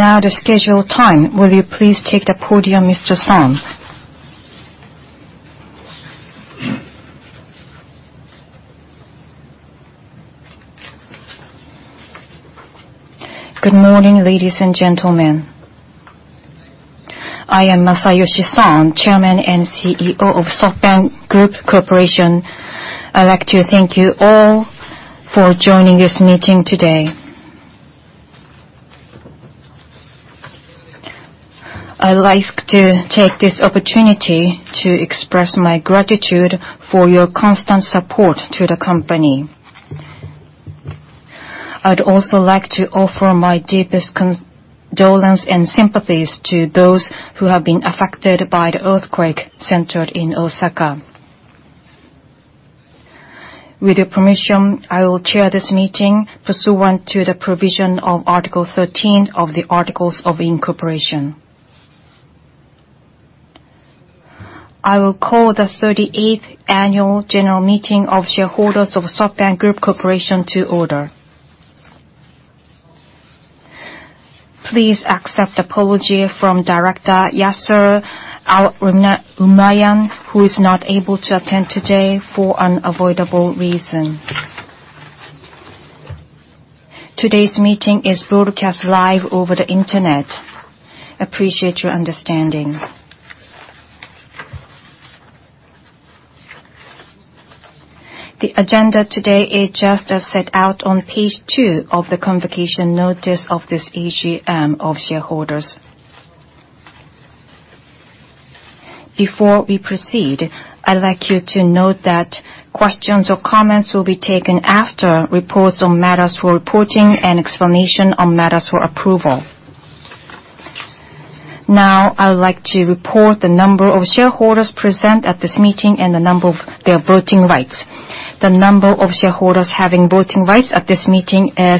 Now, the scheduled time. Will you please take the podium, Mr. Son? Good morning, ladies and gentlemen. I am Masayoshi Son, Chairman and CEO of SoftBank Group Corp. I'd like to thank you all for joining this meeting today. I would like to take this opportunity to express my gratitude for your constant support to the company. I'd also like to offer my deepest condolence and sympathies to those who have been affected by the earthquake centered in Osaka. With your permission, I will chair this meeting pursuant to the provision of Article 13 of the Articles of Incorporation. I will call the 38th Annual General Meeting of Shareholders of SoftBank Group Corp. to order. Please accept apology from Director Yasir Al-Rumayyan, who is not able to attend today for unavoidable reason. Today's meeting is broadcast live over the internet. Appreciate your understanding. The agenda today is just as set out on page two of the convocation notice of this AGM of Shareholders. Before we proceed, I'd like you to note that questions or comments will be taken after reports on matters for reporting and explanation on matters for approval. Now, I would like to report the number of shareholders present at this meeting and the number of their voting rights. The number of shareholders having voting rights at this meeting is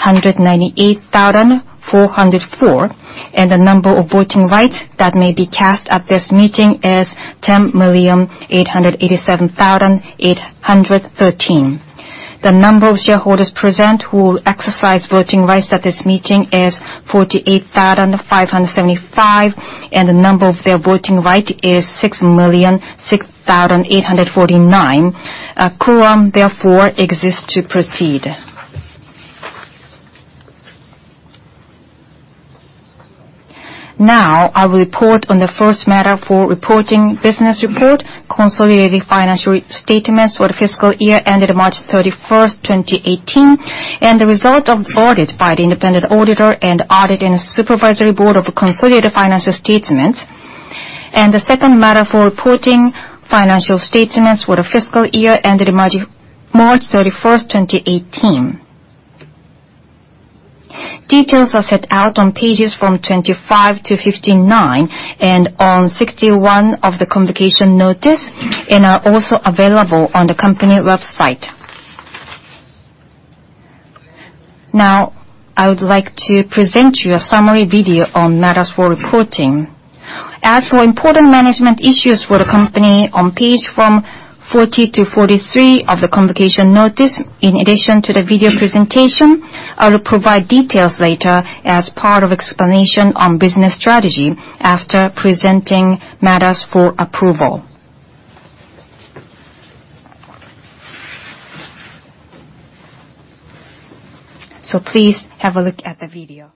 198,404, and the number of voting rights that may be cast at this meeting is 10,887,813. The number of shareholders present who will exercise voting rights at this meeting is 48,575, and the number of their voting right is 6,006,849. A quorum, therefore, exists to proceed. Now, I will report on the first matter for reporting business report, consolidated financial statements for the fiscal year ended March 31st, 2018, and the result of audit by the independent auditor and audit and supervisory board of consolidated financial statements. The second matter for reporting financial statements for the fiscal year ended March 31st, 2018. Details are set out on pages from 25 to 59 and on 61 of the convocation notice and are also available on the company website. Now, I would like to present you a summary video on matters for reporting. As for important management issues for the company on page from 40 to 43 of the convocation notice, in addition to the video presentation, I will provide details later as part of explanation on business strategy after presenting matters for approval. Please have a look at the video.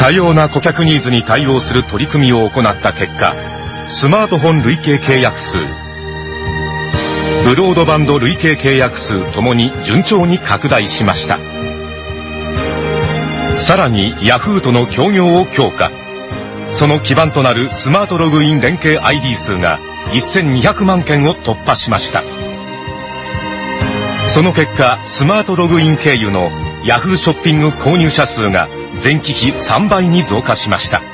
Carrierと称し、企業価値の最大化に取り組んでいます。こうした成長戦略を機動的に実行するため、ソフトバンク株式会社は株式上場の準備を開始しています。Yahoo! では、広告関連売上収益が堅調に推移し、前期比6%増の3,034億円となりました。また、Yahoo!ショッピングでは、出店料などの無料化を実現したeコマース革命に2013年より取り組んだ結果、ショッピング事業の取り扱い高は6,276億円となり、前期比31%増加しました。Yahoo!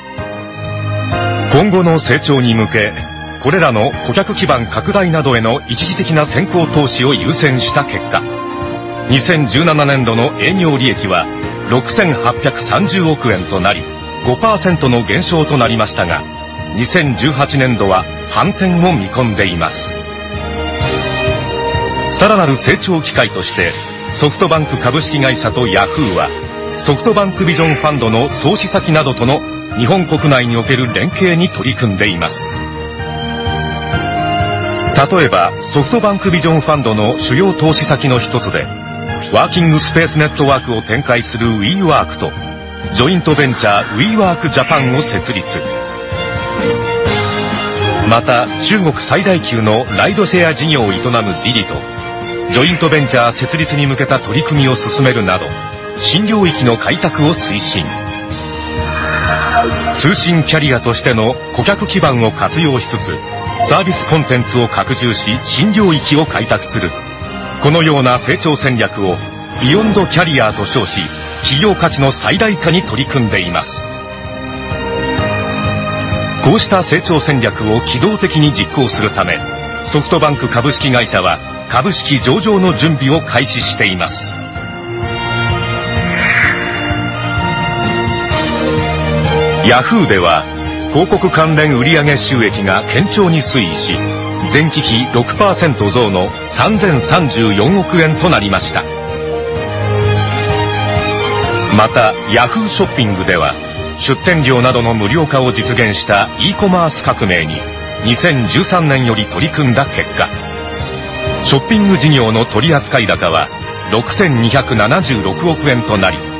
は、同社の様々なサービスから得られる膨大な量と種類のマルチビッグデータを、同社のサービスに活用するだけでなく、様々な社会課題を解決することにも活用し、人々の生活や社会をアップデートすることに取り組んでいきます。米国で携帯電話事業を営むSprintは、業績とネットワーク品質のさらなる改善に取り組みました。コスト削減においては、2013年度から60億ドルの削減を実現。調整後EBITDAは111億ドルとなり、2012年度から倍増しました。営業利益は27億ドルとなり、前期比55%増を達成。Sprint史上最高となりました。純利益は74億ドルとなり、過去11年で初めて黒字化を達成。また、様々なネットワーク改善に取り組んだ結果、同社の平均ダウンロード速度は前年同月比36%改善し、主要な米国携帯電話事業者の中で最も改善しました。今後もSprintはさらなる競争力強化に向けた取り組みを推進していきます。なお、Sprintは2018年4月29日にT-Mobile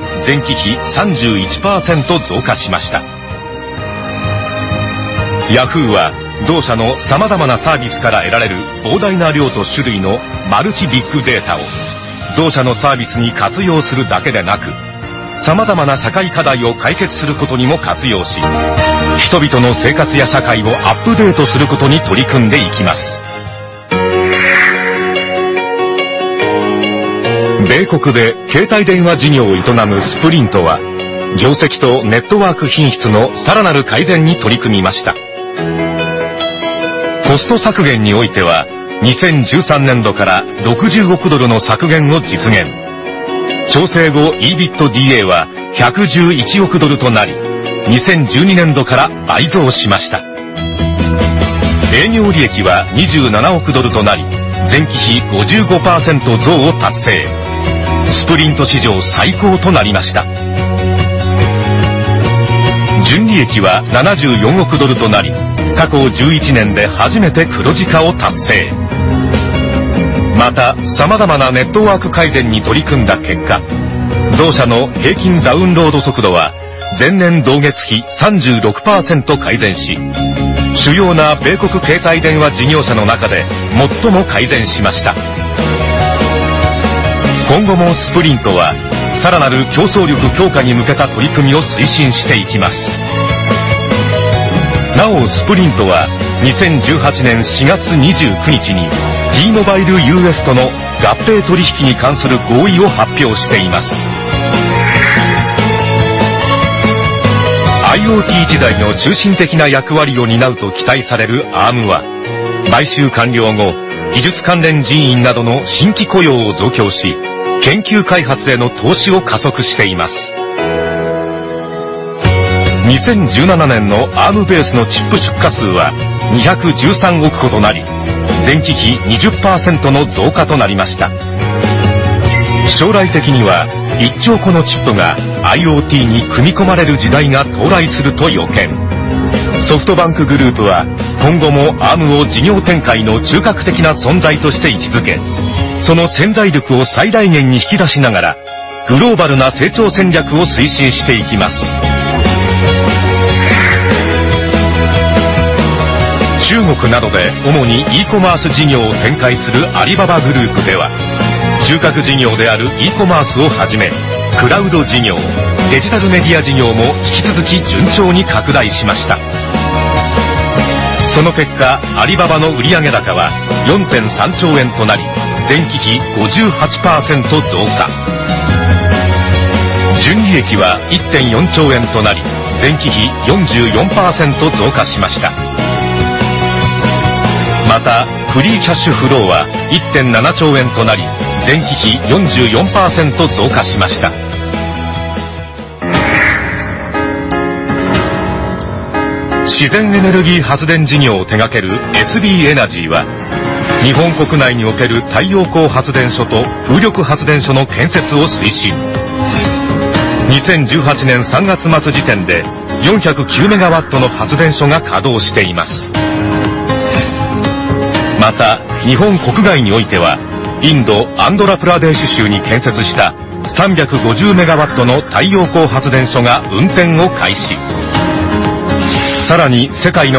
Vision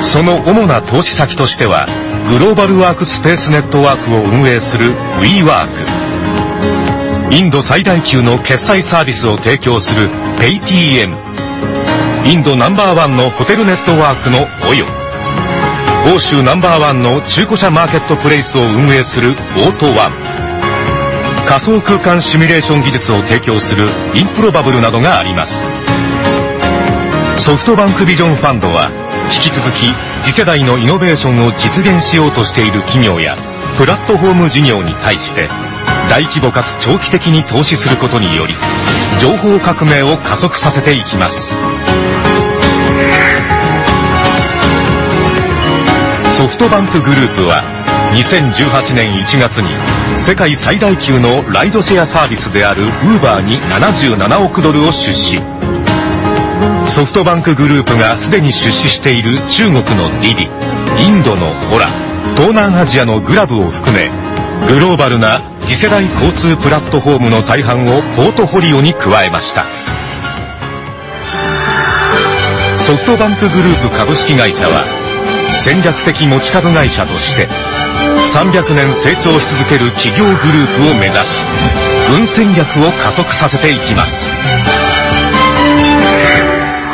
Vision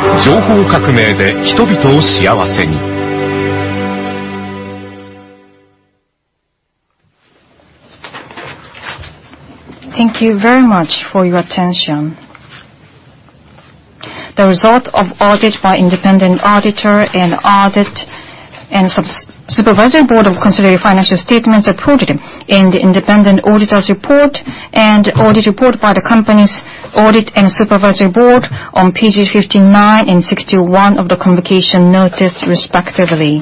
Thank you very much for your attention. The results of audit by independent auditor and supervisory board of consolidated financial statements approved in the independent auditor's report and audit report by the company's audit and supervisory board on pages 59 and 61 of the convocation notice, respectively.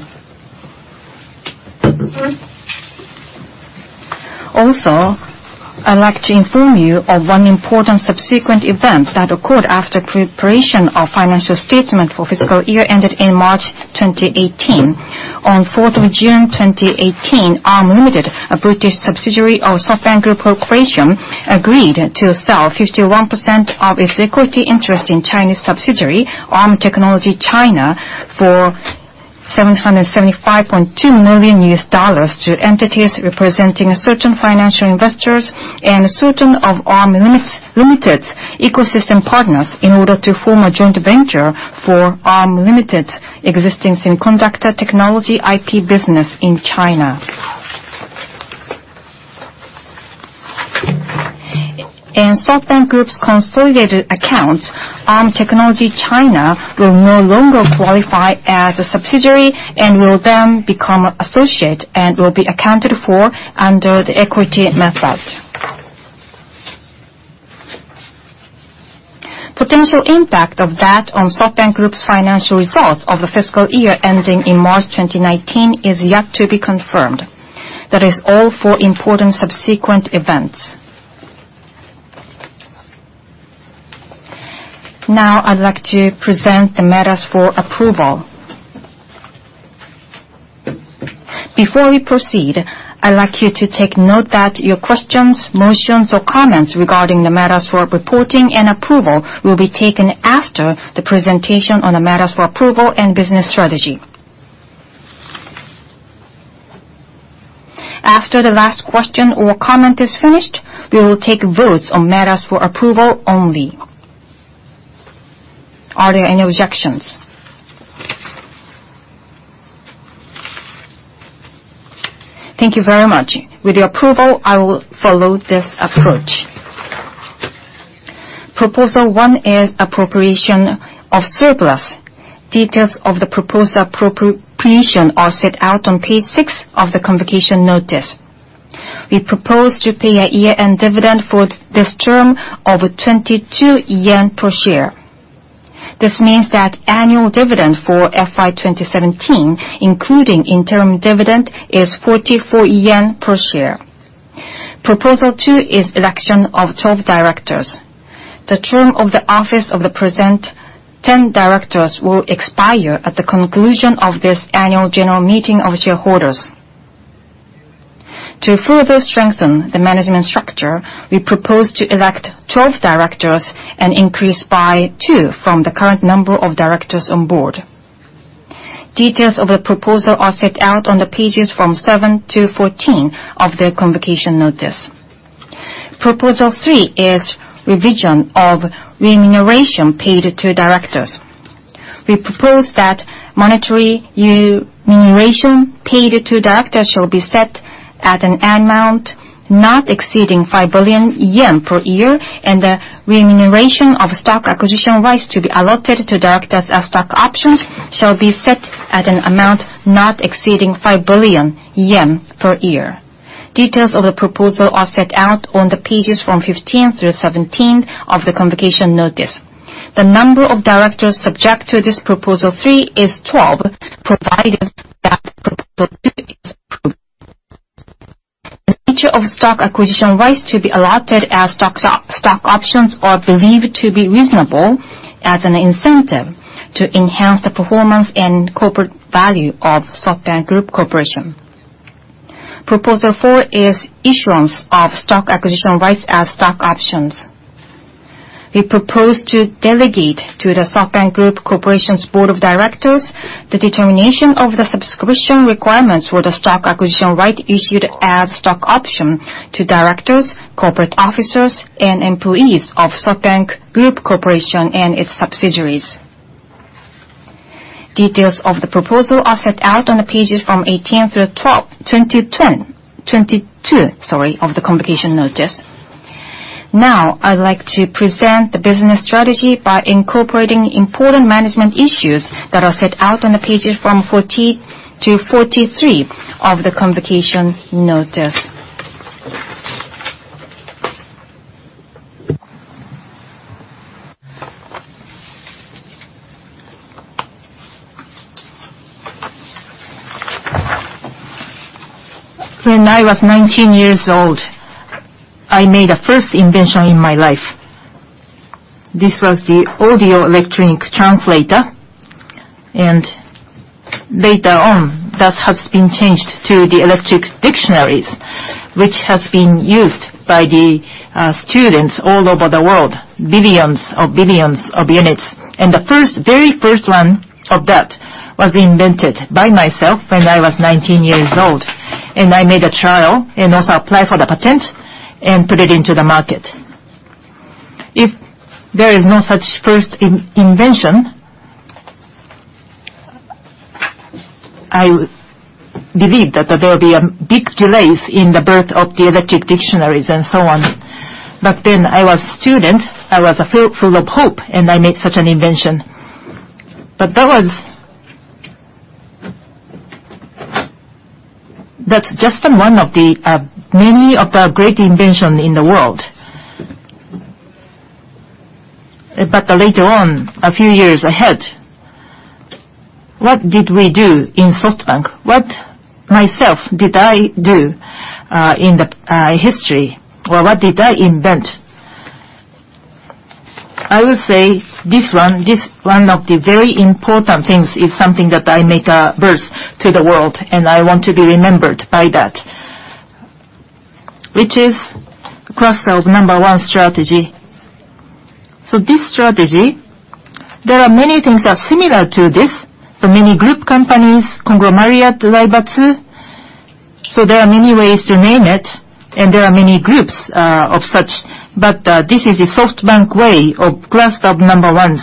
Also, I'd like to inform you of one important subsequent event that occurred after preparation of financial statement for fiscal year ended in March 2018. On 4th of June 2018, Arm Limited, a British subsidiary of SoftBank Group Corporation, agreed to sell 51% of its equity interest in Chinese subsidiary, Arm Technology China, for $775.2 million to entities representing certain financial investors and certain of Arm Limited's ecosystem partners in order to form a joint venture for Arm Limited existing semiconductor technology IP business in China. In SoftBank Group's consolidated accounts, Arm Technology China will no longer qualify as a subsidiary and will then become associate and will be accounted for under the equity method. Potential impact of that on SoftBank Group's financial results of the fiscal year ending in March 2019 is yet to be confirmed. That is all for important subsequent events. I'd like to present the matters for approval. Before we proceed, I'd like you to take note that your questions, motions, or comments regarding the matters for reporting and approval will be taken after the presentation on the matters for approval and business strategy. After the last question or comment is finished, we will take votes on matters for approval only. Are there any objections? Thank you very much. With your approval, I will follow this approach. Proposal one is appropriation of surplus. Details of the proposed appropriation are set out on page 6 of the convocation notice. We propose to pay a year-end dividend for this term of 22 yen per share. This means that annual dividend for FY 2017, including interim dividend, is 44 yen per share. Proposal two is election of 12 directors. The term of the office of the present 10 directors will expire at the conclusion of this annual general meeting of shareholders. To further strengthen the management structure, we propose to elect 12 directors, an increase by two from the current number of directors on board. Details of the proposal are set out on the pages from 7 to 14 of the convocation notice. Proposal three is revision of remuneration paid to directors. We propose that monetary remuneration paid to directors shall be set at an amount not exceeding 5 billion yen per year, and the remuneration of stock acquisition rights to be allotted to directors as stock options shall be set at an amount not exceeding 5 billion yen per year. Details of the proposal are set out on pages 15 through 17 of the convocation notice. The number of directors subject to this Proposal three is 12, provided that Proposal two is approved. The feature of stock acquisition rights to be allotted as stock options are believed to be reasonable as an incentive to enhance the performance and corporate value of SoftBank Group Corporation. Proposal four is issuance of stock acquisition rights as stock options. We propose to delegate to the SoftBank Group Corporation's board of directors the determination of the subscription requirements for the stock acquisition right issued as stock option to directors, corporate officers, and employees of SoftBank Group Corporation and its subsidiaries. Details of the proposal are set out on pages 18 through 22 of the convocation notice. I'd like to present the business strategy by incorporating important management issues that are set out on pages 40 to 43 of the convocation notice. When I was 19 years old, I made a first invention in my life. This was the audio electric translator, and later on, that has been changed to the electric dictionaries, which has been used by students all over the world, billions of billions of units. The very first one of that was invented by myself when I was 19 years old, I made a trial, also applied for the patent and put it into the market. If there is no such first invention, I believe that there will be big delays in the birth of the electric dictionaries and so on. I was student, I was full of hope, I made such an invention. That's just one of the many great inventions in the world. Later on, a few years ahead, what did we do in SoftBank? What, myself, did I do in the history? What did I invent? I would say this one of the very important things is something that I made a birth to the world, I want to be remembered by that, which is cluster of number one strategy. This strategy, there are many things that are similar to this. The many group companies, conglomerate, keiretsu, there are many ways to name it, there are many groups of such. This is the SoftBank way of cluster of number ones.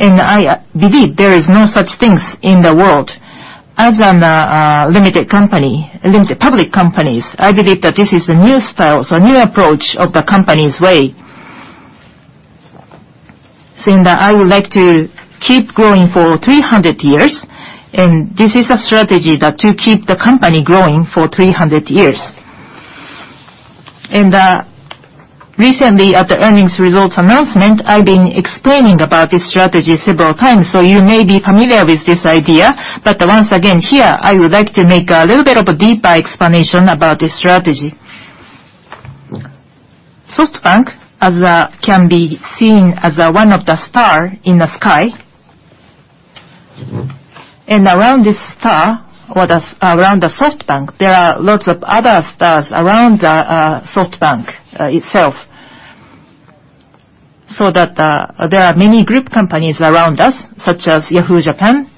I believe there is no such things in the world as a limited public companies. I believe that this is the new style, new approach of the company's way. Saying that I would like to keep growing for 300 years, this is a strategy to keep the company growing for 300 years. Recently, at the earnings results announcement, I've been explaining about this strategy several times, you may be familiar with this idea. Once again, here, I would like to make a little bit of a deeper explanation about this strategy. SoftBank can be seen as one of the stars in the sky. Around this star, or around SoftBank, there are lots of other stars around SoftBank itself, that there are many group companies around us, such as Yahoo! Japan,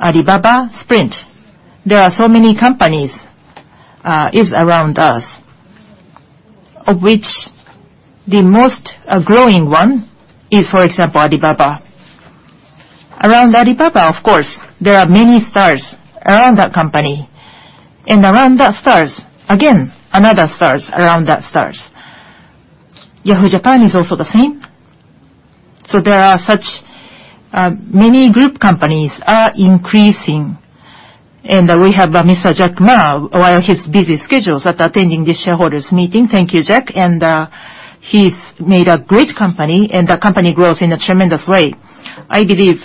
Alibaba, Sprint. There are so many companies around us, of which the most growing one is, for example, Alibaba. Around Alibaba, of course, there are many stars around that company. Around that stars, again, another stars around that stars. Yahoo! Japan is also the same. There are such, many group companies are increasing. We have Mr. Jack Ma, one of his busy schedules, attending this shareholders meeting. Thank you, Jack. He's made a great company, the company grows in a tremendous way. I believe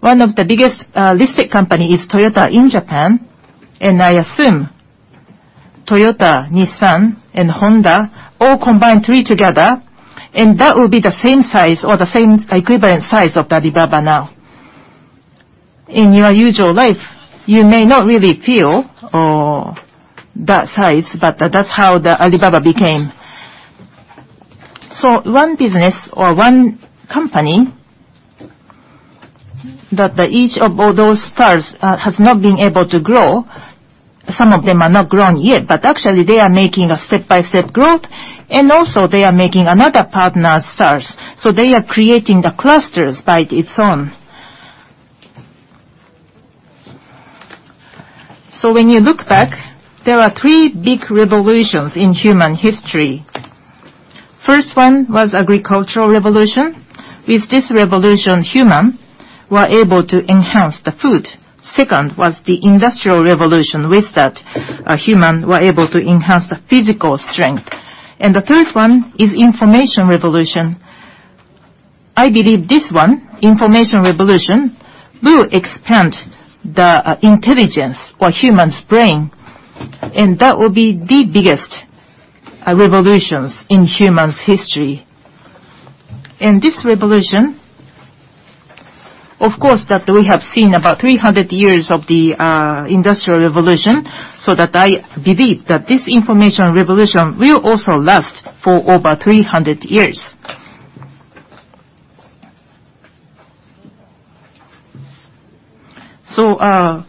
one of the biggest listed company is Toyota in Japan, I assume Toyota, Nissan, Honda all combine three together, that would be the same size or the same equivalent size of Alibaba now. In your usual life, you may not really feel that size, that's how Alibaba became. One business or one company Each of those stars has not been able to grow. Some of them are not grown yet, but actually they are making a step-by-step growth, and also they are making another partner stars. They are creating the clusters by its own. When you look back, there are three big revolutions in human history. First one was Agricultural Revolution. With this revolution, humans were able to enhance the food. Second was the Industrial Revolution. With that, humans were able to enhance the physical strength. The third one is Information Revolution. I believe this one, Information Revolution, will expand the intelligence or human brain, and that will be the biggest revolution in human history. In this revolution, of course, we have seen about 300 years of the Industrial Revolution, I believe that this Information Revolution will also last for over 300 years. The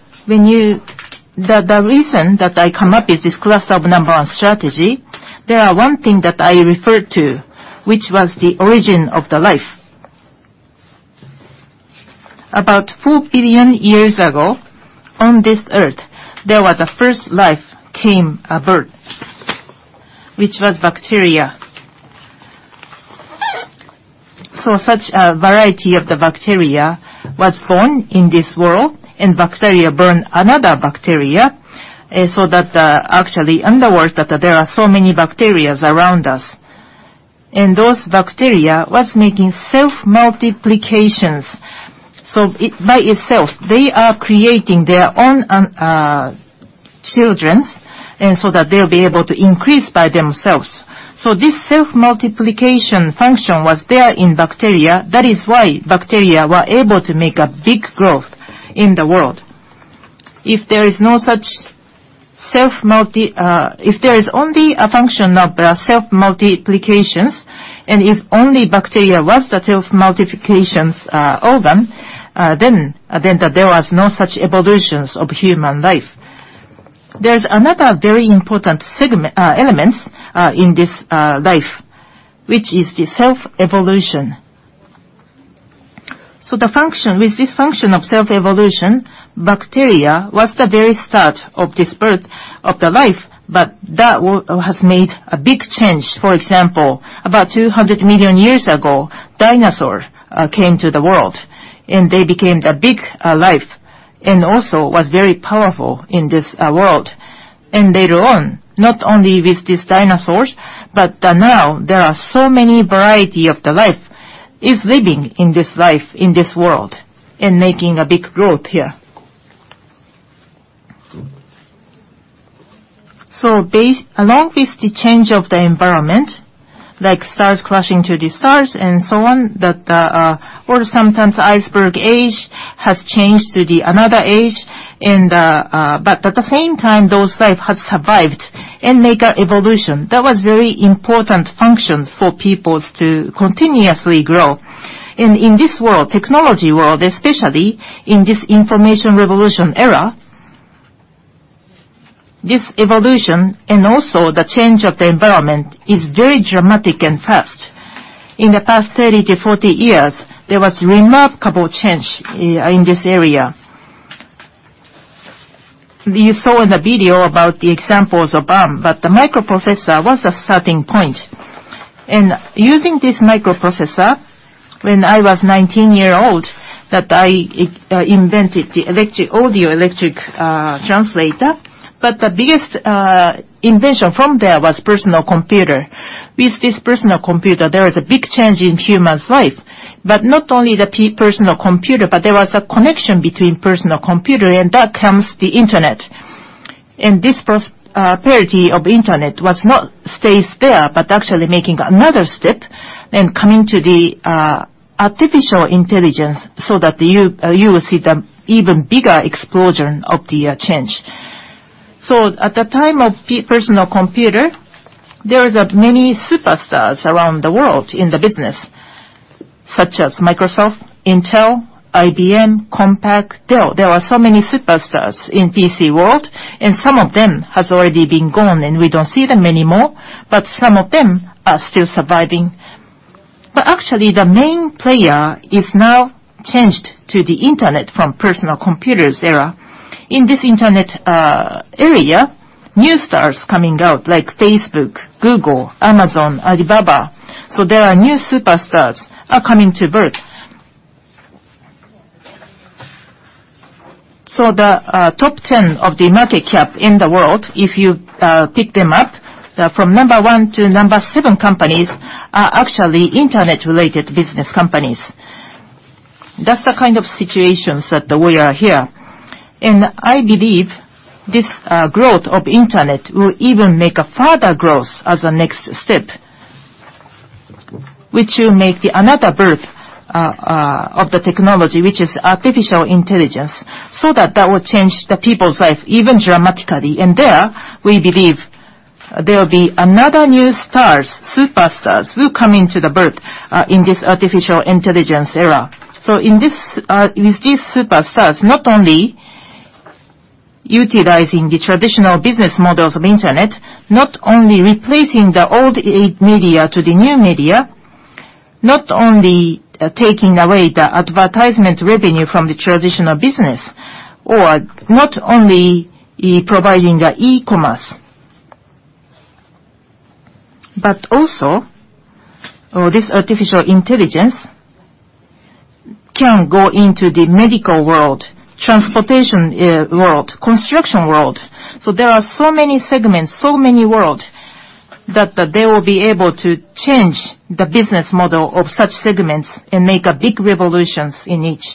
reason that I come up with this cluster of number one strategy, there is one thing that I refer to, which was the origin of the life. About 4 billion years ago, on this earth, there was a first life, came a birth, which was bacteria. Such a variety of the bacteria was born in this world, and bacteria bore another bacteria, actually in the world, there are so many bacteria around us, and those bacteria was making self-multiplication. By itself, they are creating their own children, they'll be able to increase by themselves. This self-multiplication function was there in bacteria. That is why bacteria were able to make a big growth in the world. If there is only a function of self-multiplication, and if only bacteria was the self-multiplication organ, then there was no such evolution of human life. There's another very important element in this life, which is the self-evolution. With this function of self-evolution, bacteria was the very start of this birth of the life, but that has made a big change. For example, about 200 million years ago, dinosaurs came to the world, and they became the big life, and also was very powerful in this world. Later on, not only with these dinosaurs, but now there are so many variety of life living in this world, and making a big growth here. Along with the change of the environment, like stars crashing to the stars and so on, or sometimes Ice Age has changed to another age, but at the same time, that life has survived and made an evolution. That was very important function for people to continuously grow. In this world, technology world, especially in this Information Revolution era, this evolution and also the change of the environment is very dramatic and fast. In the past 30 to 40 years, there was remarkable change in this area. You saw in the video about the examples of BAM, but the microprocessor was a starting point. Using this microprocessor, when I was 19 years old, I invented the audio-electric translator, but the biggest invention from there was personal computer. With this personal computer, there is a big change in human's life, not only the personal computer, there was a connection between personal computer and that comes the internet. This prosperity of internet was not stays there, but actually making another step and coming to the artificial intelligence, you will see the even bigger explosion of the change. At the time of personal computer, there are many superstars around the world in the business, such as Microsoft, Intel, IBM, Compaq, Dell. There were so many superstars in PC world, and some of them has already been gone and we don't see them anymore, but some of them are still surviving. Actually, the main player is now changed to the internet from personal computers era. In this internet era, new stars coming out like Facebook, Google, Amazon, Alibaba. There are new superstars coming to birth. The top 10 of the market cap in the world, if you pick them up, from number 1 to number 7 companies, are actually internet-related business companies. That's the kind of situations that we are here. I believe this growth of internet will even make a further growth as a next step, which will make the another birth of the technology, which is artificial intelligence. That will change the people's life even dramatically. There, we believe there will be other new stars, superstars, who will come into birth in this artificial intelligence era. With these superstars, not only utilizing the traditional business models of internet, not only replacing the old media to the new media, not only taking away the advertisement revenue from the traditional business, not only providing the e-commerce, also, this artificial intelligence can go into the medical world, transportation world, construction world. There are so many segments, so many worlds, that they will be able to change the business model of such segments and make big revolutions in each.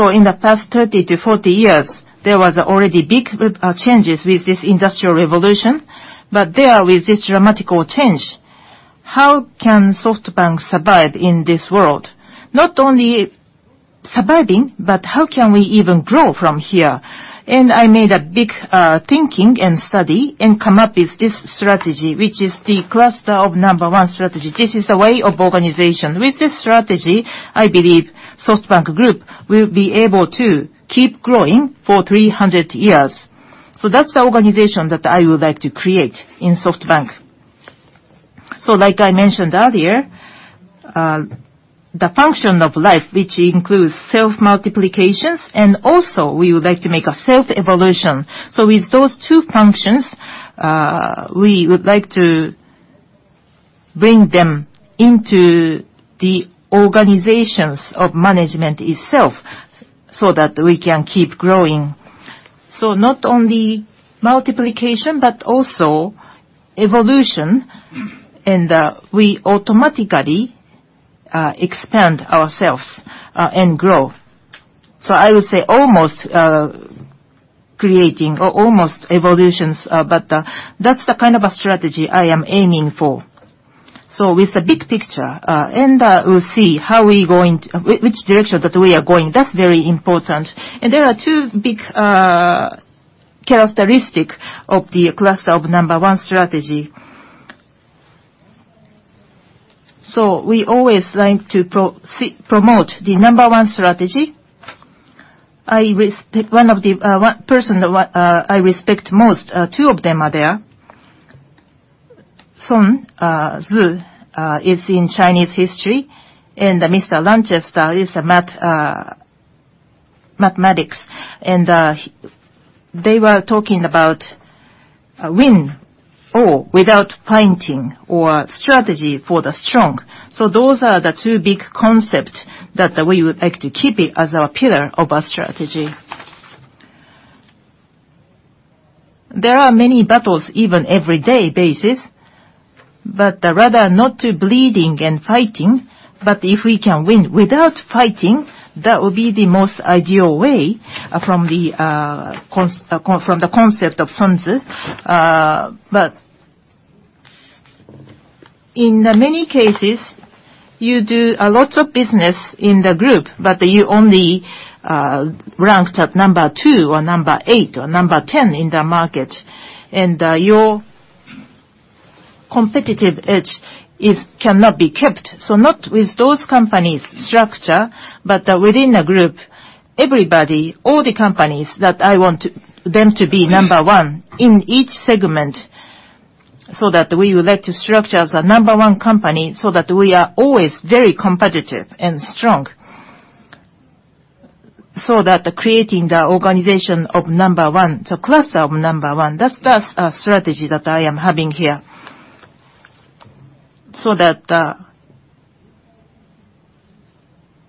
In the past 30 to 40 years, there was already big changes with this industrial revolution, but there, with this dramatic change, how can SoftBank survive in this world? Not only surviving, but how can we even grow from here? I made a big thinking and study, and came up with this strategy, which is the cluster of number one strategy. This is the way of organization. With this strategy, I believe SoftBank Group will be able to keep growing for 300 years. That's the organization that I would like to create in SoftBank. Like I mentioned earlier, the function of life, which includes self-multiplications, also we would like to make a self-evolution. With those two functions, we would like to bring them into the organizations of management itself we can keep growing. Not only multiplication, but also evolution, we automatically expand ourselves and grow. I would say almost creating, or almost evolutions, that's the kind of a strategy I am aiming for. With the big picture, we'll see which direction that we are going. That's very important. There are two big characteristics of the cluster of number one strategy. We always like to promote the number 1 strategy. One person that I respect most, two of them are there. Sun Tzu is in Chinese history, and Mr. Lanchester is mathematics. They were talking about win four without, [inaudible] or strategy for the strong. Those are the two big concepts that we would like to keep as our pillar of our strategy. There are many battles, even everyday basis, but rather not to bleeding and fighting, but if we can win without fighting, that would be the most ideal way from the concept of Sun Tzu. In many cases, you do a lot of business in the group, but you're only ranked at number 2, or number 8, or number 10 in the market, and your competitive edge cannot be kept. Not with those companies' structure, but within a group, everybody, all the companies that I want them to be number 1 in each segment, we would like to structure the number 1 company, we are always very competitive and strong. Creating the organization of number 1, the cluster of number 1, that's the strategy that I am having here.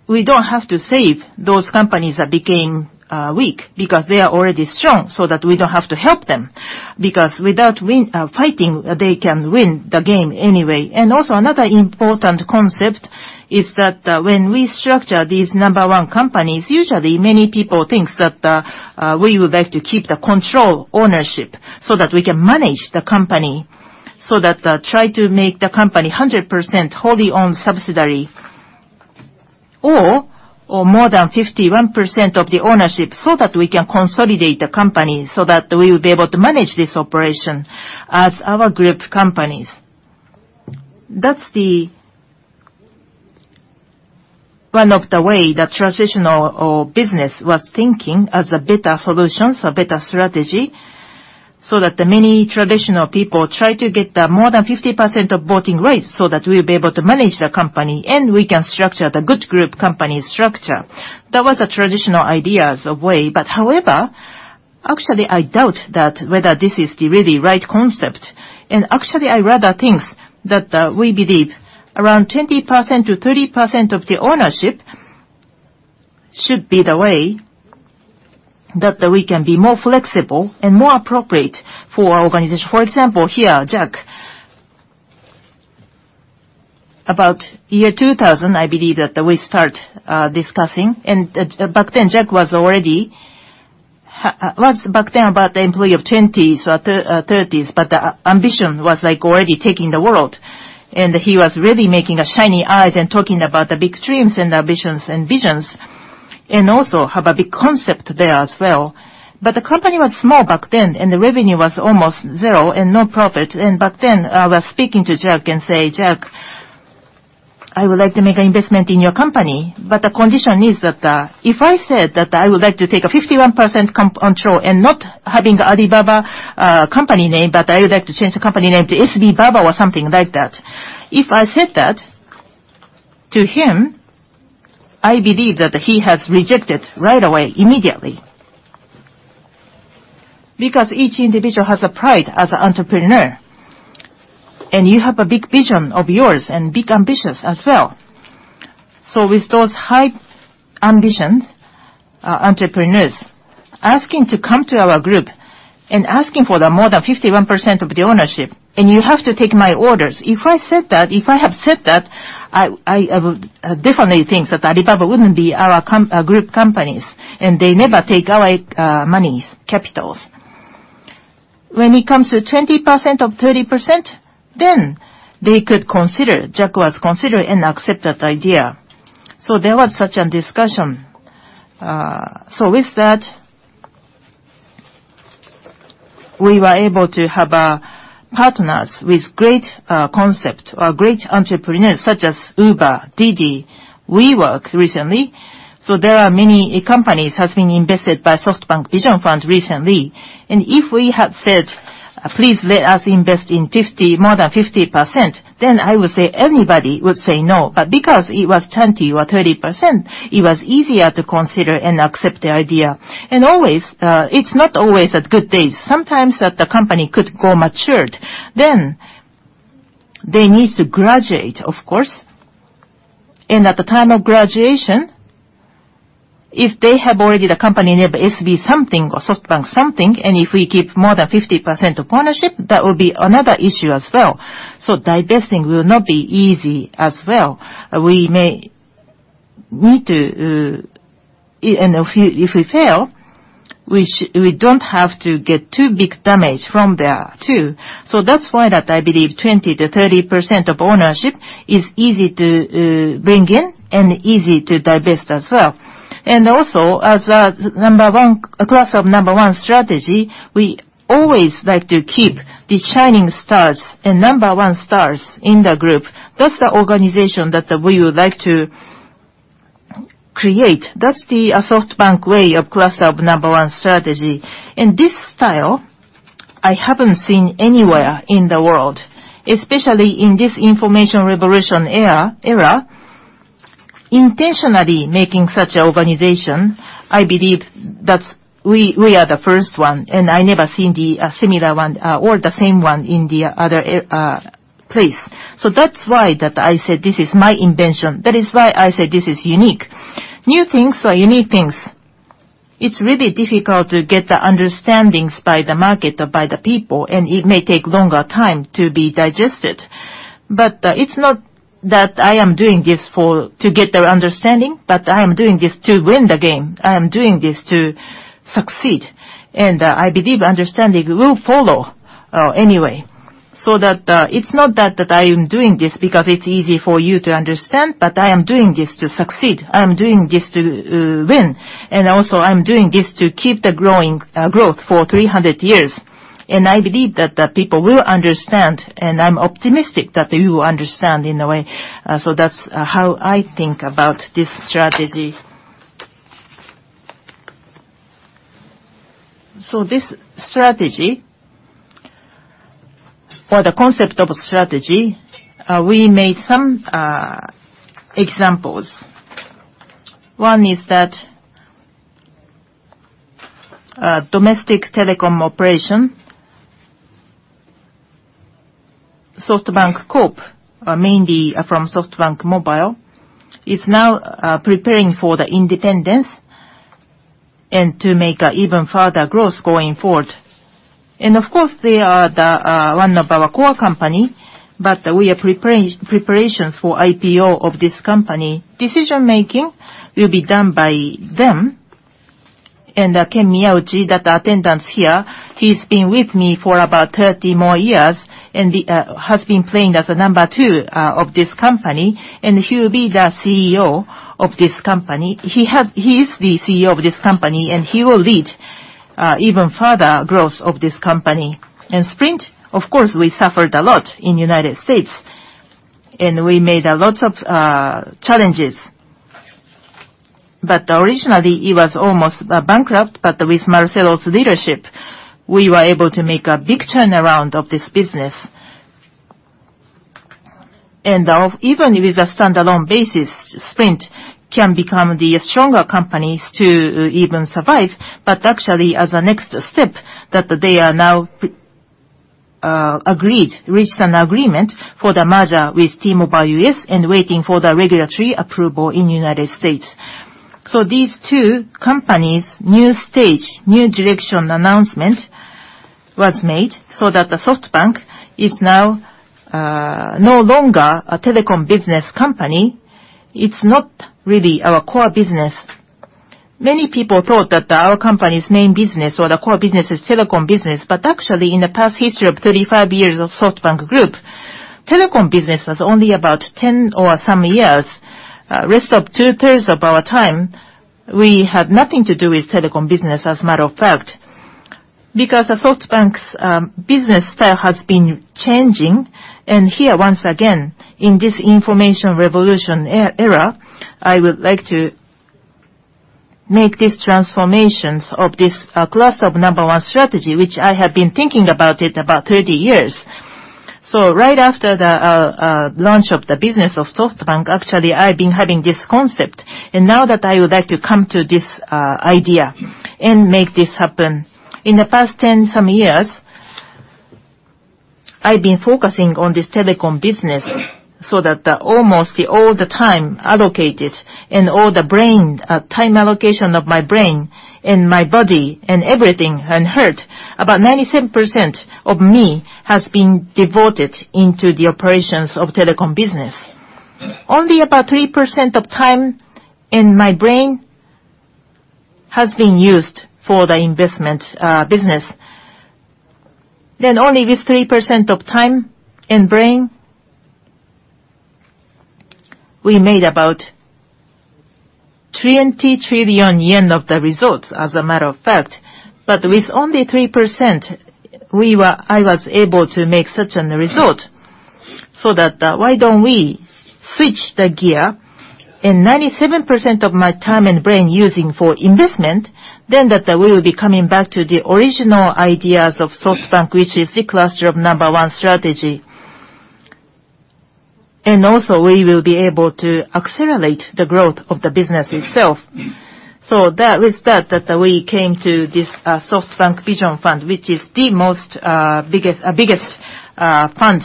We don't have to save those companies that became weak because they are already strong, we don't have to help them, because without fighting, they can win the game anyway. Also another important concept is that when we structure these number 1 companies, usually many people think that we would like to keep the control ownership we can manage the company, try to make the company 100% wholly owned subsidiary, or more than 51% of the ownership, we can consolidate the company we will be able to manage this operation as our group companies. That's one of the ways the traditional business was thinking as a better solution, a better strategy, many traditional people try to get more than 50% of voting rights, we'll be able to manage the company, and we can structure the good group company structure. That was the traditional idea of way. However, actually, I doubt whether this is the really right concept. Actually, I rather think that we believe around 20%-30% of the ownership should be the way that we can be more flexible and more appropriate for our organization. For example, here, Jack. About year 2000, I believe that we start discussing, back then, Jack was back then about the employee of 20s or 30s, the ambition was already taking the world, and he was really making shiny eyes and talking about the big dreams and ambitions and visions. Also have a big concept there as well. The company was small back then, and the revenue was almost zero and no profit. Back then, I was speaking to Jack and say, "Jack, I would like to make an investment in your company, but the condition is that if I said that I would like to take a 51% control and not having Alibaba company name, but I would like to change the company name to SB Baba or something like that." If I said that to him, I believe that he has rejected right away, immediately. Each individual has a pride as an entrepreneur, and you have a big vision of yours and big ambitions as well. With those high-ambition entrepreneurs, asking to come to our group and asking for the more than 51% of the ownership, and you have to take my orders. If I said that, if I have said that, I would definitely think that Alibaba wouldn't be our group companies, and they never take away monies, capitals. When it comes to 20% or 30%, they could consider. Jack was consider and accept that idea. There was such a discussion. With that, we were able to have partners with great concept or great entrepreneurs such as Uber, DiDi, WeWork recently. There are many companies has been invested by SoftBank Vision Fund recently. If we had said, "Please let us invest in more than 50%," I would say anybody would say no. Because it was 20% or 30%, it was easier to consider and accept the idea. It's not always at good days. Sometimes that the company could go matured, then they need to graduate, of course. At the time of graduation, if they have already the company name SB something or SoftBank something, and if we keep more than 50% ownership, that would be another issue as well. Divesting will not be easy as well. If we fail, we don't have to get too big damage from there, too. That's why I believe 20%-30% of ownership is easy to bring in and easy to divest as well. Also as a cluster of number one strategy, we always like to keep the shining stars and number one stars in the group. That's the organization that we would like to create. That's the SoftBank way of cluster of number one strategy. This style, I haven't seen anywhere in the world, especially in this information revolution era, intentionally making such an organization. I believe that we are the first one, I never seen the similar one or the same one in the other place. That's why I said this is my invention. That is why I said this is unique. New things or unique things, it's really difficult to get the understandings by the market or by the people, it may take longer time to be digested. It's not that I am doing this to get their understanding, but I am doing this to win the game. I am doing this to succeed. I believe understanding will follow anyway. It's not that I am doing this because it's easy for you to understand, but I am doing this to succeed. I am doing this to win. Also, I'm doing this to keep the growth for 300 years. I believe that the people will understand, I'm optimistic that you understand in a way. That's how I think about this strategy. This strategy, for the concept of strategy, we made some examples. One is that domestic telecom operation, SoftBank Corp, mainly from SoftBank Mobile, is now preparing for the independence and to make even further growth going forward. Of course, they are one of our core company, but we are preparations for IPO of this company. Decision-making will be done by them. Ken Miyauchi, that attendance here, he's been with me for about 30 more years and has been playing as a number 2 of this company, and he will be the CEO of this company. He is the CEO of this company, and he will lead even further growth of this company. Sprint, of course, we suffered a lot in U.S., we made lots of challenges. Originally, it was almost bankrupt, but with Marcelo's leadership, we were able to make a big turnaround of this business. Even with a standalone basis, Sprint can become the stronger companies to even survive. Actually, as a next step that they are now agreed, reached an agreement for the merger with T-Mobile US and waiting for the regulatory approval in U.S. These two companies, new stage, new direction announcement was made so that SoftBank is now no longer a telecom business company. It's not really our core business. Many people thought that our company's main business or the core business is telecom business, but actually, in the past history of 35 years of SoftBank Group, telecom business was only about 10 or some years. Rest of two-thirds of our time, we had nothing to do with telecom business, as a matter of fact, because SoftBank's business style has been changing. Here, once again, in this information revolution era, I would like to make these transformations of this cluster of number 1 strategy, which I have been thinking about it about 30 years. Right after the launch of the business of SoftBank, actually, I've been having this concept, now that I would like to come to this idea and make this happen. In the past 10 some years, I've been focusing on this telecom business so that almost all the time allocated and all the brain, time allocation of my brain and my body and everything, and heart, about 97% of me has been devoted into the operations of telecom business. Only about 3% of time in my brain has been used for the investment business. Only with 3% of time and brain, we made about 30 trillion yen of the results, as a matter of fact. With only 3%, I was able to make such an result. Why don't we switch the gear and 97% of my time and brain using for investment, then that we will be coming back to the original ideas of SoftBank, which is the cluster of number 1 strategy. Also, we will be able to accelerate the growth of the business itself. With that, we came to this SoftBank Vision Fund, which is the most biggest fund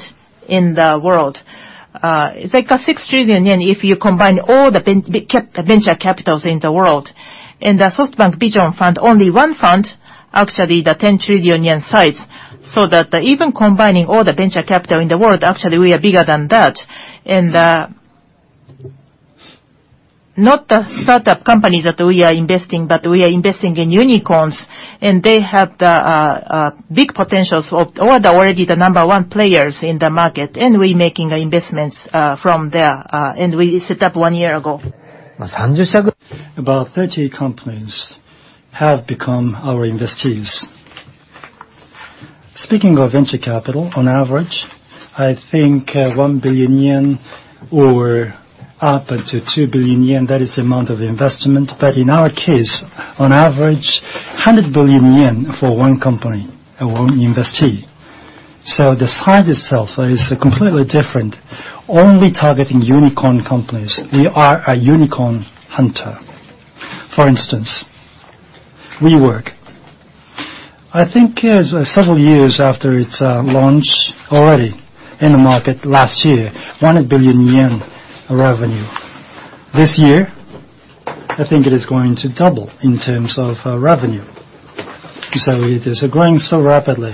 in the world. It's like a 6 trillion yen if you combine all the venture capitals in the world. The SoftBank Vision Fund, only one fund, actually the 10 trillion yen size, that even combining all the venture capital in the world, actually we are bigger than that. Not the startup companies that we are investing, but we are investing in unicorns, and they have the big potentials of already the number one players in the market, and we making investments from there, and we set up one year ago. About 30 companies have become our investees. Speaking of venture capital, on average, I think 1 billion yen or up to 2 billion yen, that is the amount of investment. In our case, on average, 100 billion yen for one company, one investee. The size itself is completely different, only targeting unicorn companies. We are a unicorn hunter. For instance, WeWork. I think several years after its launch, already in the market last year, 100 billion yen revenue. This year, I think it is going to double in terms of revenue. It is growing so rapidly.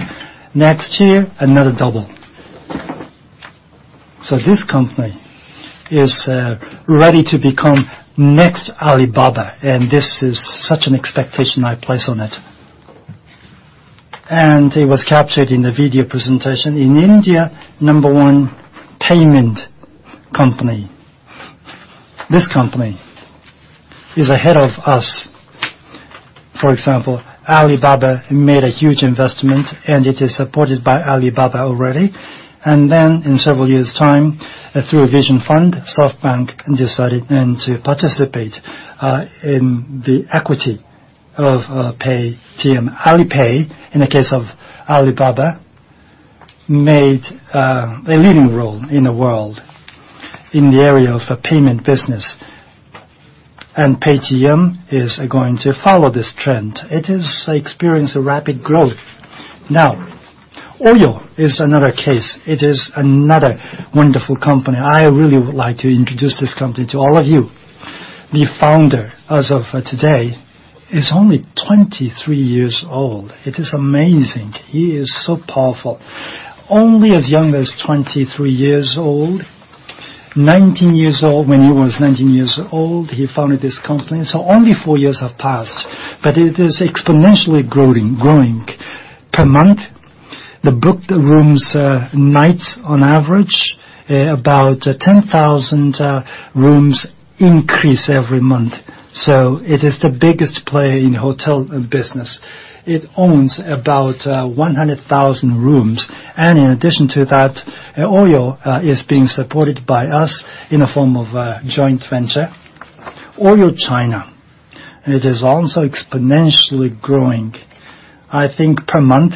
Next year, another double. This company is ready to become next Alibaba, and this is such an expectation I place on it. It was captured in the video presentation. In India, number one payment company. This company is ahead of us. For example, Alibaba made a huge investment, it is supported by Alibaba already. Then in several years' time, through a Vision Fund, SoftBank decided then to participate in the equity of Paytm. Alipay, in the case of Alibaba, made a leading role in the world in the area of payment business. Paytm is going to follow this trend. It is experiencing a rapid growth. Now, Oyo is another case. It is another wonderful company. I really would like to introduce this company to all of you. The founder, as of today, is only 23 years old. It is amazing. He is so powerful. Only as young as 23 years old. When he was 19 years old, he founded this company, only four years have passed, but it is exponentially growing. Per month, the booked rooms nights on average, about 10,000 rooms increase every month. It is the biggest player in hotel business. It owns about 100,000 rooms, in addition to that, Oyo is being supported by us in a form of a joint venture. OYO China, it is also exponentially growing. I think per month,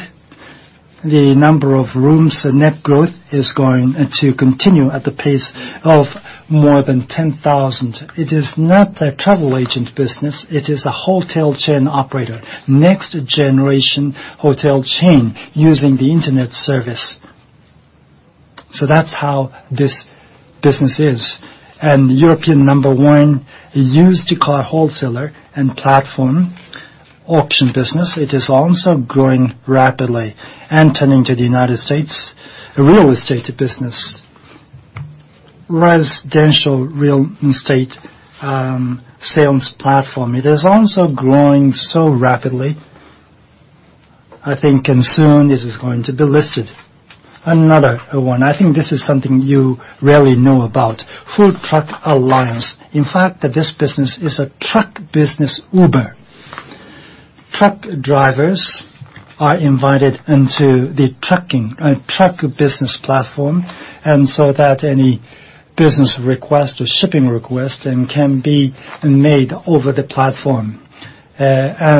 the number of rooms net growth is going to continue at the pace of more than 10,000. It is not a travel agent business. It is a hotel chain operator, next generation hotel chain using the internet service. That's how this business is. European number one used car wholesaler and platform auction business, it is also growing rapidly and turning to the U.S. real estate business. Residential real estate sales platform, it is also growing so rapidly I think soon this is going to be listed. Another one, I think this is something you rarely know about, Full Truck Alliance. In fact, this business is a truck business Uber. Truck drivers are invited into the trucking, a truck business platform. Any business request or shipping request can be made over the platform. The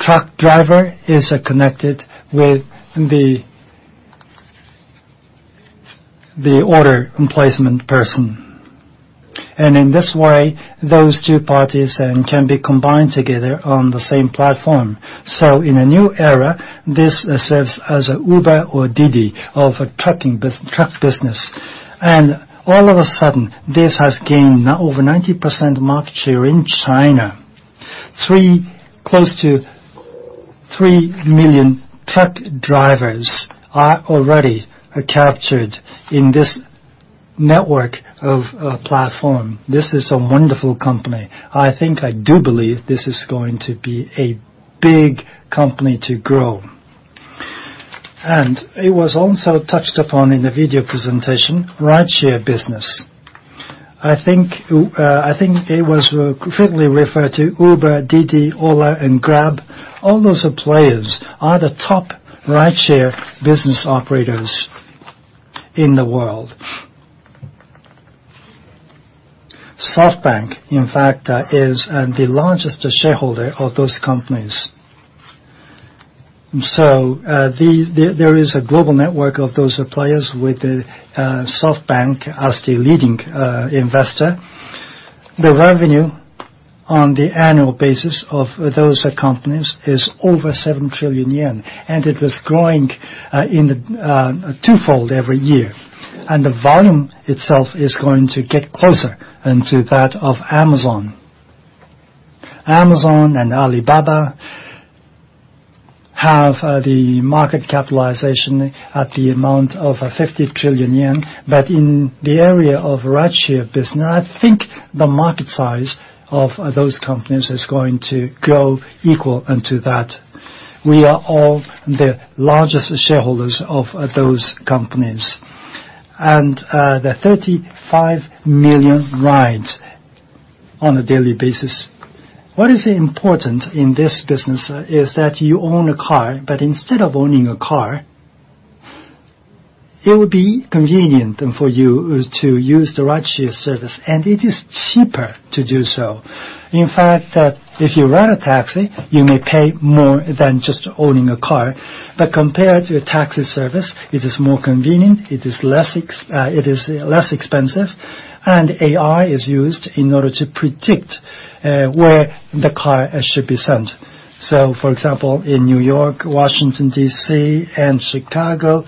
truck driver is connected with the order placement person. Those two parties can be combined together on the same platform. In a new era, this serves as a Uber or DiDi of a truck business. This has gained now over 90% market share in China. Close to 3 million truck drivers are already captured in this network of platform. This is a wonderful company. I do believe this is going to be a big company to grow. It was also touched upon in the video presentation, rideshare business. It was frequently referred to Uber, DiDi, Ola, and Grab. All those players are the top rideshare business operators in the world. SoftBank, in fact, is the largest shareholder of those companies. There is a global network of those players with SoftBank as the leading investor. The revenue on the annual basis of those companies is over 7 trillion yen, and it is growing twofold every year. The volume itself is going to get closer to that of Amazon. Amazon and Alibaba have the market capitalization at the amount of 50 trillion yen. In the area of rideshare business, I think the market size of those companies is going to grow equal to that. We are all the largest shareholders of those companies. The 35 million rides on a daily basis. What is important in this business is that you own a car, but instead of owning a car, it would be convenient for you to use the rideshare service, and it is cheaper to do so. In fact, if you rent a taxi, you may pay more than just owning a car. Compared to a taxi service, it is more convenient, it is less expensive, and AI is used in order to predict where the car should be sent. In New York, Washington, D.C., and Chicago,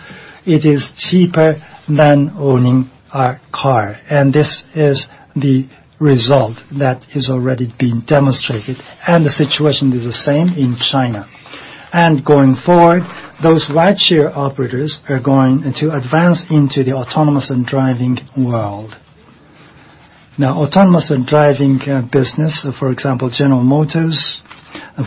it is cheaper than owning a car. This is the result that is already been demonstrated, and the situation is the same in China. Going forward, those rideshare operators are going to advance into the autonomous and driving world. Autonomous and driving business, General Motors,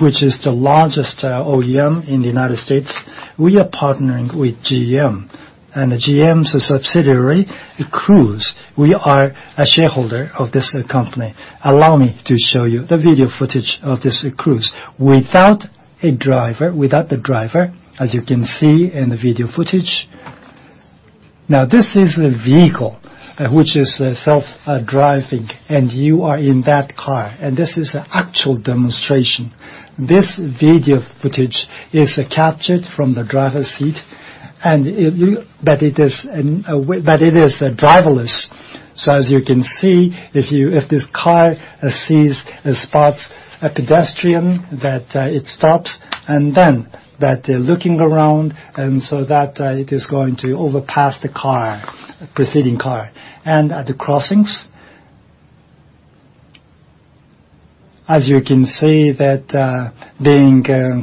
which is the largest OEM in the U.S., we are partnering with GM. GM's subsidiary, Cruise, we are a shareholder of this company. Allow me to show you the video footage of this Cruise. Without a driver, as you can see in the video footage. This is a vehicle which is self-driving, and you are in that car, and this is an actual demonstration. This video footage is captured from the driver's seat, but it is driverless. If this car sees spots a pedestrian, it stops, looking around, it is going to overpass the preceding car. At the crossings, being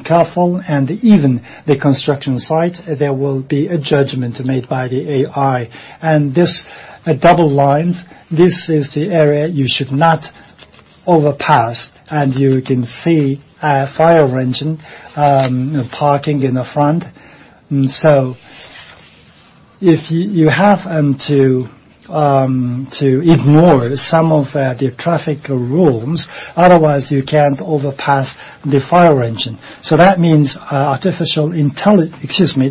careful, even the construction site, there will be a judgment made by the AI. These double lines, this is the area you should not overpass. You can see a fire engine parking in the front. You have to ignore some of the traffic rules, otherwise, you can't overpass the fire engine. That means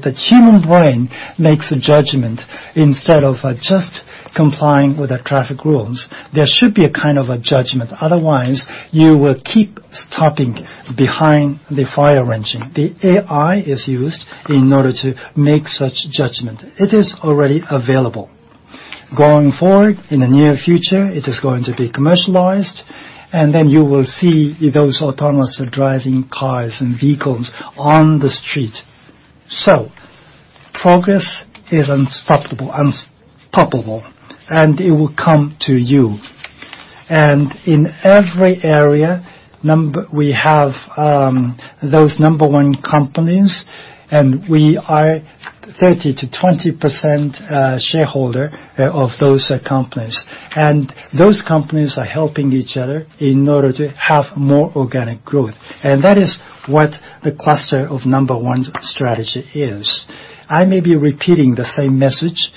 the human brain makes a judgment instead of just complying with the traffic rules. There should be a kind of a judgment, otherwise, you will keep stopping behind the fire engine. The AI is used in order to make such judgment. It is already available. Going forward, in the near future, it is going to be commercialized, then you will see those autonomous driving cars and vehicles on the street. Progress is unstoppable, and it will come to you. In every area, we have those number one companies, and we are 30%-20% shareholder of those companies. Those companies are helping each other in order to have more organic growth. That is what the cluster of number one strategy is. I may be repeating the same message,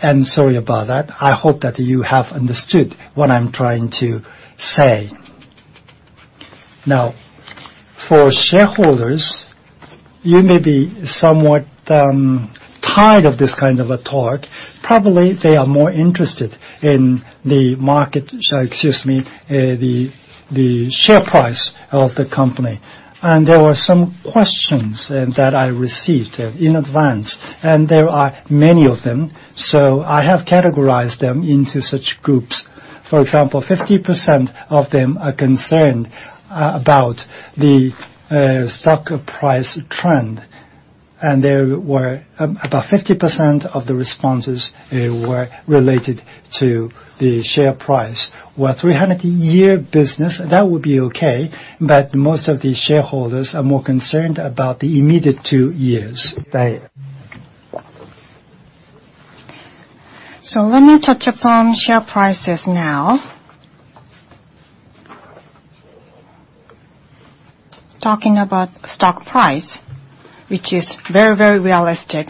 and sorry about that. I hope that you have understood what I'm trying to say. Now, for shareholders, you may be somewhat tired of this kind of a talk. Probably, they are more interested in the share price of the company. There were some questions that I received in advance, and there are many of them. I have categorized them into such groups. For example, 50% of them are concerned about the stock price trend. About 50% of the responses were related to the share price. Well, 300-year business, that would be okay, but most of the shareholders are more concerned about the immediate two years. Let me touch upon share prices now. Talking about stock price, which is very, very realistic.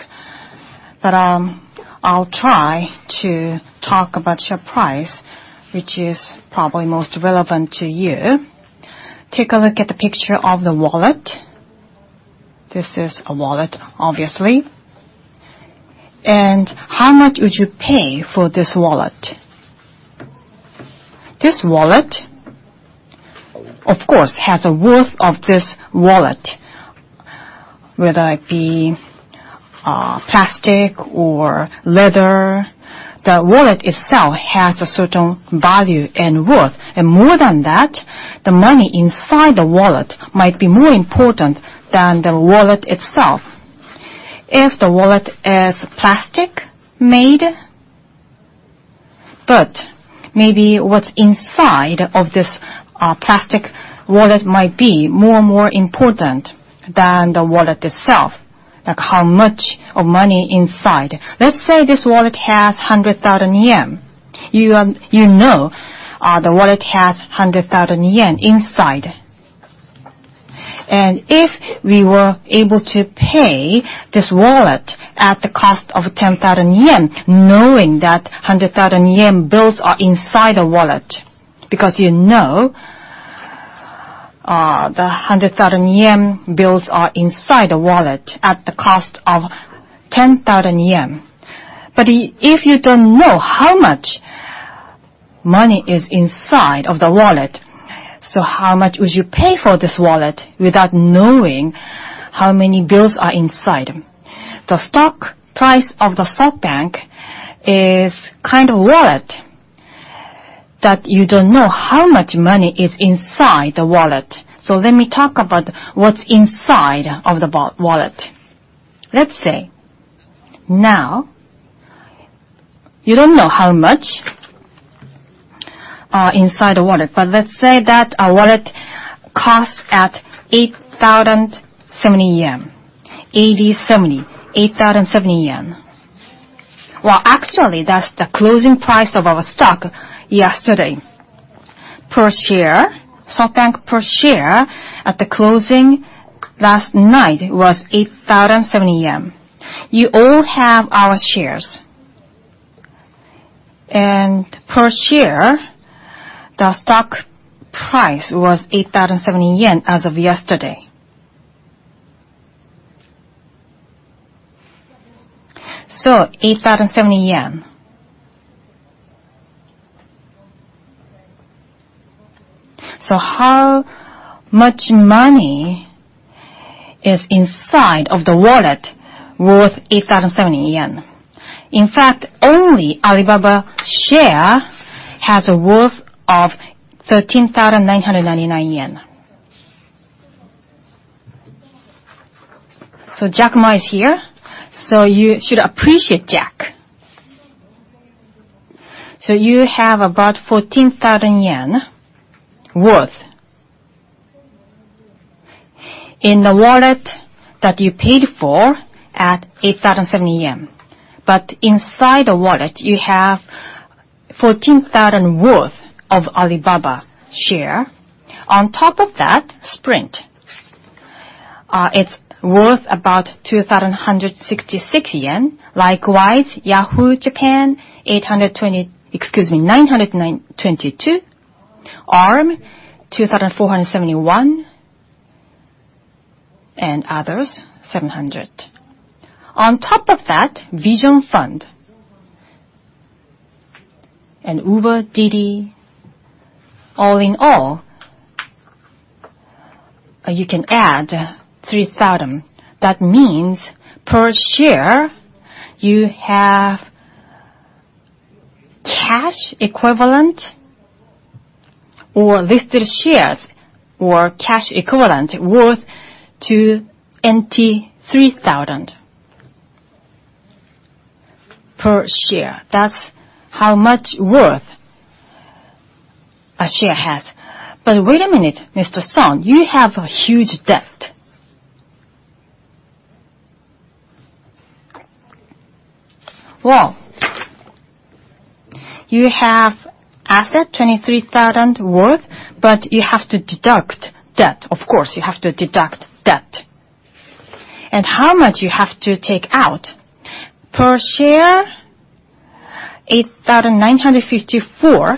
I'll try to talk about share price, which is probably most relevant to you. Take a look at the picture of the wallet. This is a wallet, obviously. How much would you pay for this wallet? This wallet, of course, has a worth of this wallet. Whether it be plastic or leather, the wallet itself has a certain value and worth. More than that, the money inside the wallet might be more important than the wallet itself. If the wallet is plastic made, but maybe what's inside of this plastic wallet might be more and more important than the wallet itself. Like how much of money inside. Let's say this wallet has 100,000 yen. You know the wallet has 100,000 yen inside. If we were able to pay this wallet at the cost of 10,000 yen, knowing that 100,000 yen bills are inside a wallet, because you know the JPY 100,000 bills are inside a wallet at the cost of 10,000 yen. If you don't know how much money is inside of the wallet, how much would you pay for this wallet without knowing how many bills are inside? The stock price of SoftBank is a kind of wallet that you don't know how much money is inside the wallet. Let me talk about what's inside of the wallet. Let's say now, you don't know how much inside the wallet. Let's say that a wallet costs at 8,070 yen, 8070, 8,070 yen. Well, actually, that's the closing price of our stock yesterday per share. SoftBank per share at the closing last night was 8,070 yen. You all have our shares. Per share, the stock price was 8,070 yen as of yesterday. JPY 8,070. How much money is inside of the wallet worth 8,070 yen? In fact, only Alibaba share has a worth of 13,999 yen. Jack Ma is here, so you should appreciate Jack. You have about 14,000 yen worth in the wallet that you paid for at 8,070 yen. But inside the wallet, you have 14,000 worth of Alibaba share. On top of that, Sprint. It's worth about 2,166 yen. Likewise, Yahoo! Japan, 922. Arm, 2,471. And others, 700. On top of that, SoftBank Vision Fund and Uber, DiDi. All in all, you can add 3,000. That means per share, you have cash equivalent or listed shares or cash equivalent worth to JPY 23,000. Per share. That's how much worth a share has. Wait a minute, Mr. Son, you have a huge debt. Well, you have asset 23,000 worth, but you have to deduct debt. Of course, you have to deduct debt. How much you have to take out? Per share 8,954,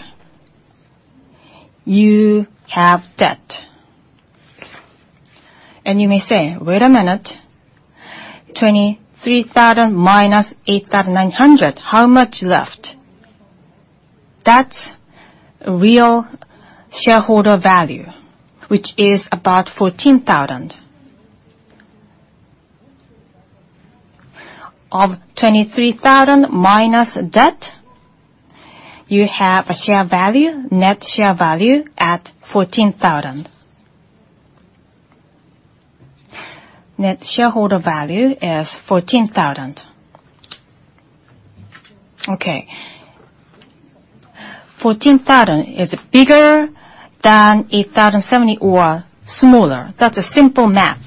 you have debt. You may say, "Wait a minute, 23,000 minus 8,900. How much left?" That's real shareholder value, which is about 14,000. Of 23,000 minus debt, you have a share value, net share value at 14,000. Net shareholder value is 14,000. Okay. 14,000 is bigger than 8,070 or smaller. That's simple math.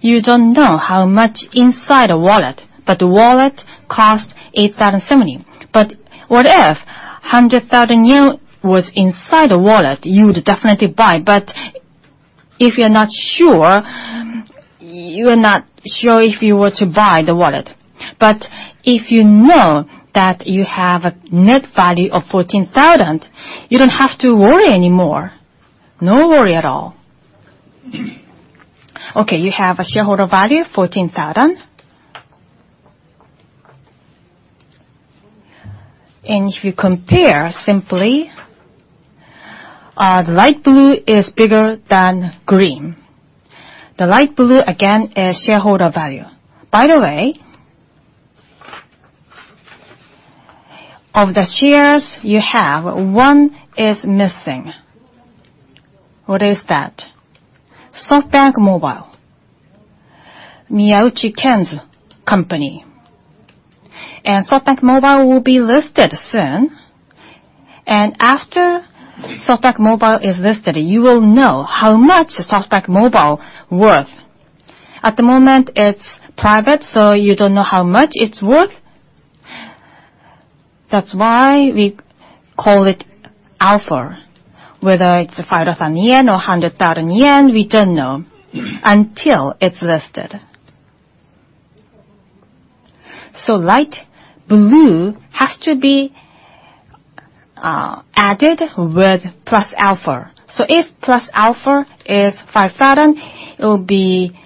You don't know how much inside a wallet, but the wallet costs 8,070. What if 100,000 yen was inside a wallet? You would definitely buy. If you're not sure, you are not sure if you were to buy the wallet. If you know that you have a net value of 14,000, you don't have to worry anymore. No worry at all. Okay, you have a shareholder value, 14,000. If you compare simply, the light blue is bigger than green. The light blue, again, is shareholder value. By the way, of the shares you have, one is missing. What is that? SoftBank Mobile, Ken Miyauchi's company. SoftBank Mobile will be listed soon. After SoftBank Mobile is listed, you will know how much is SoftBank Mobile worth. At the moment, it's private, so you don't know how much it's worth. That's why we call it alpha. Whether it's 5,000 yen or 100,000 yen, we don't know until it's listed. Light blue has to be added with plus alpha. If plus alpha is 5,000, it will be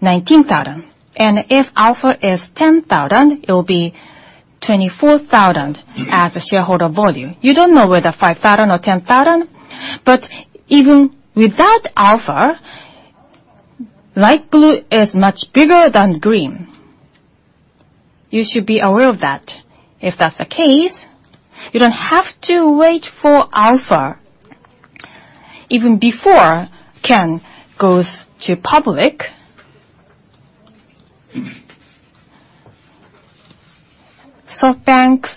19,000. If alpha is 10,000, it will be 24,000 as a shareholder value. You don't know whether 5,000 or 10,000, but even without alpha, light blue is much bigger than green. You should be aware of that. If that's the case, you don't have to wait for alpha. Even before Ken goes to public, SoftBank's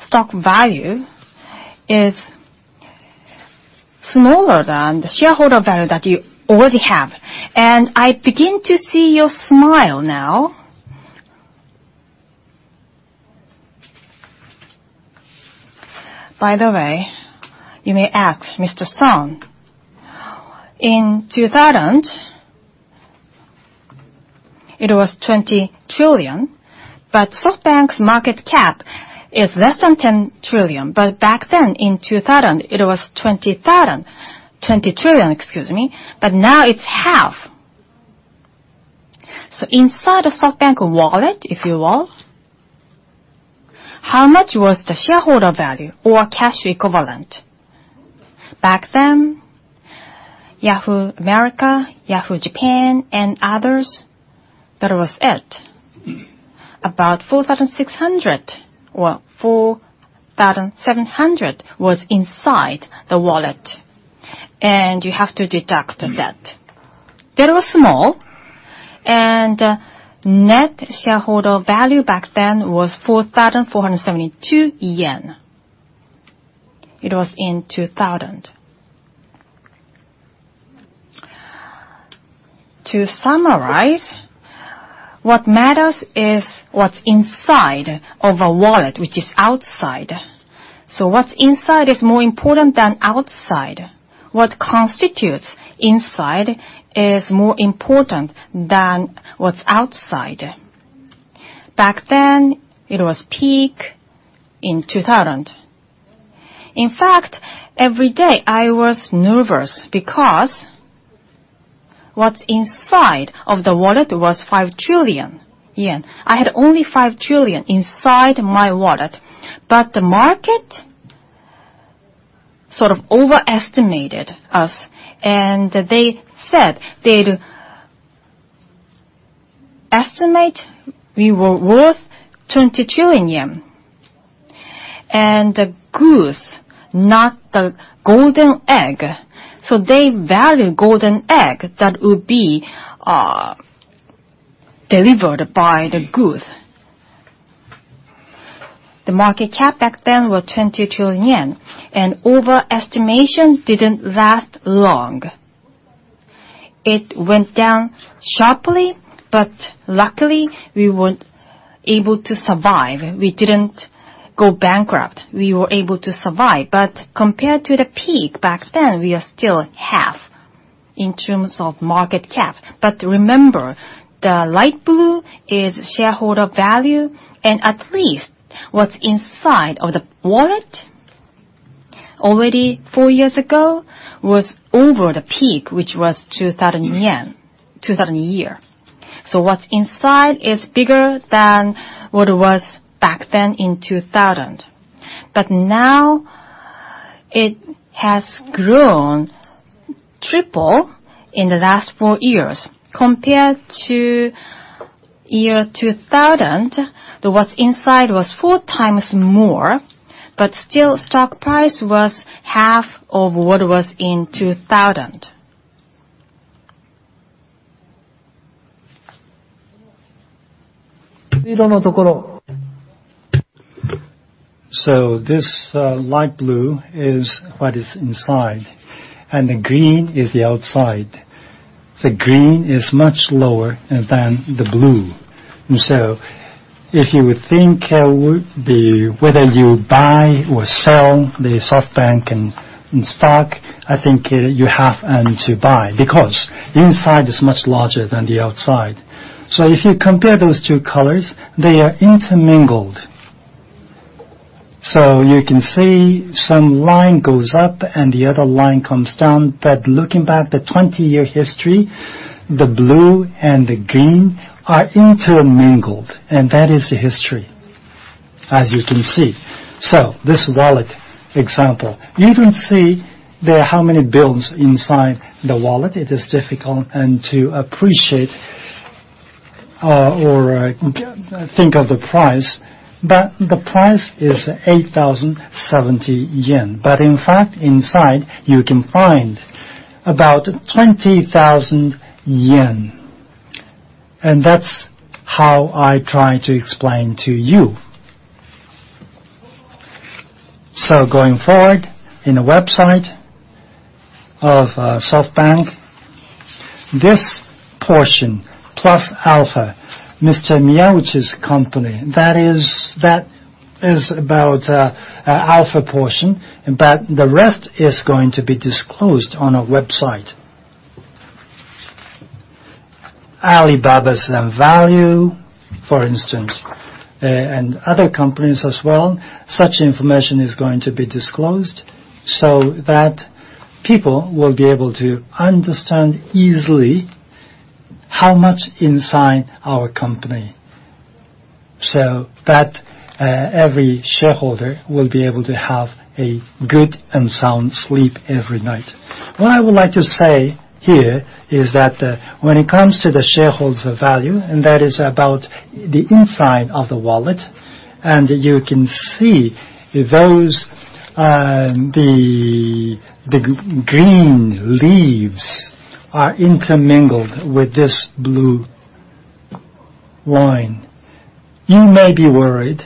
stock value is smaller than the shareholder value that you already have. I begin to see your smile now. By the way, you may ask, Mr. Son, in 2000, it was 20 trillion, but SoftBank's market cap is less than 10 trillion. Back then in 2000, it was 20 trillion. Now it's half. Inside a SoftBank wallet, if you will, how much was the shareholder value or cash equivalent? Back then, Yahoo America, Yahoo! Japan, and others, that was it. About 4,600 or 4,700 was inside the wallet. You have to deduct debt. That was small. Net shareholder value back then was 4,472 yen. It was in 2000. To summarize, what matters is what's inside of a wallet, which is outside. What's inside is more important than outside. What constitutes inside is more important than what's outside. Back then, it was peak in 2000. In fact, every day I was nervous because what's inside of the wallet was 5 trillion yen. I had only 5 trillion inside my wallet. The market sort of overestimated us, and they said they'd estimate we were worth 20 trillion yen. The goose, not the golden egg. They value golden egg that will be delivered by the goose. The market cap back then was 20 trillion yen, and overestimation didn't last long. It went down sharply. Luckily, we were able to survive. We didn't go bankrupt. We were able to survive. Compared to the peak back then, we are still half in terms of market cap. Remember, the light blue is shareholder value, and at least what's inside of the wallet already four years ago was over the peak, which was 2000. What's inside is bigger than what it was back then in 2000. Now it has grown triple in the last four years. Compared to 2000, what's inside was four times more. Still stock price was half of what it was in 2000. This light blue is what is inside, and the green is the outside. The green is much lower than the blue. If you would think whether you buy or sell the SoftBank stock, I think you have to buy, because inside is much larger than the outside. If you compare those two colors, they are intermingled. You can see some line goes up and the other line comes down. Looking back the 20-year history, the blue and the green are intermingled, and that is the history, as you can see. This wallet example, you can see there how many bills inside the wallet. It is difficult to appreciate or think of the price. The price is 8,070 yen. In fact, inside you can find about 20,000 yen. That's how I try to explain to you. Going forward, in the website of SoftBank, this portion, plus alpha, Mr. Miyauchi's company, that is about alpha portion. The rest is going to be disclosed on our website. Alibaba's value, for instance, and other companies as well, such information is going to be disclosed so that people will be able to understand easily how much inside our company, so that every shareholder will be able to have a good and sound sleep every night. What I would like to say here is that when it comes to the shareholder value, that is about the inside of the wallet. You can see those, the green leaves are intermingled with this blue line. You may be worried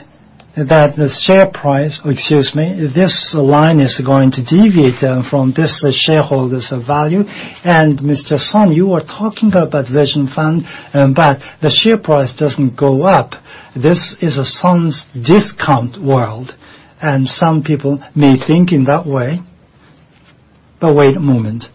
that the share price, excuse me, this line is going to deviate from this shareholder's value. Mr. Son, you were talking about Vision Fund, but the share price doesn't go up. This is a Son's discount world, and some people may think in that way. Wait a moment.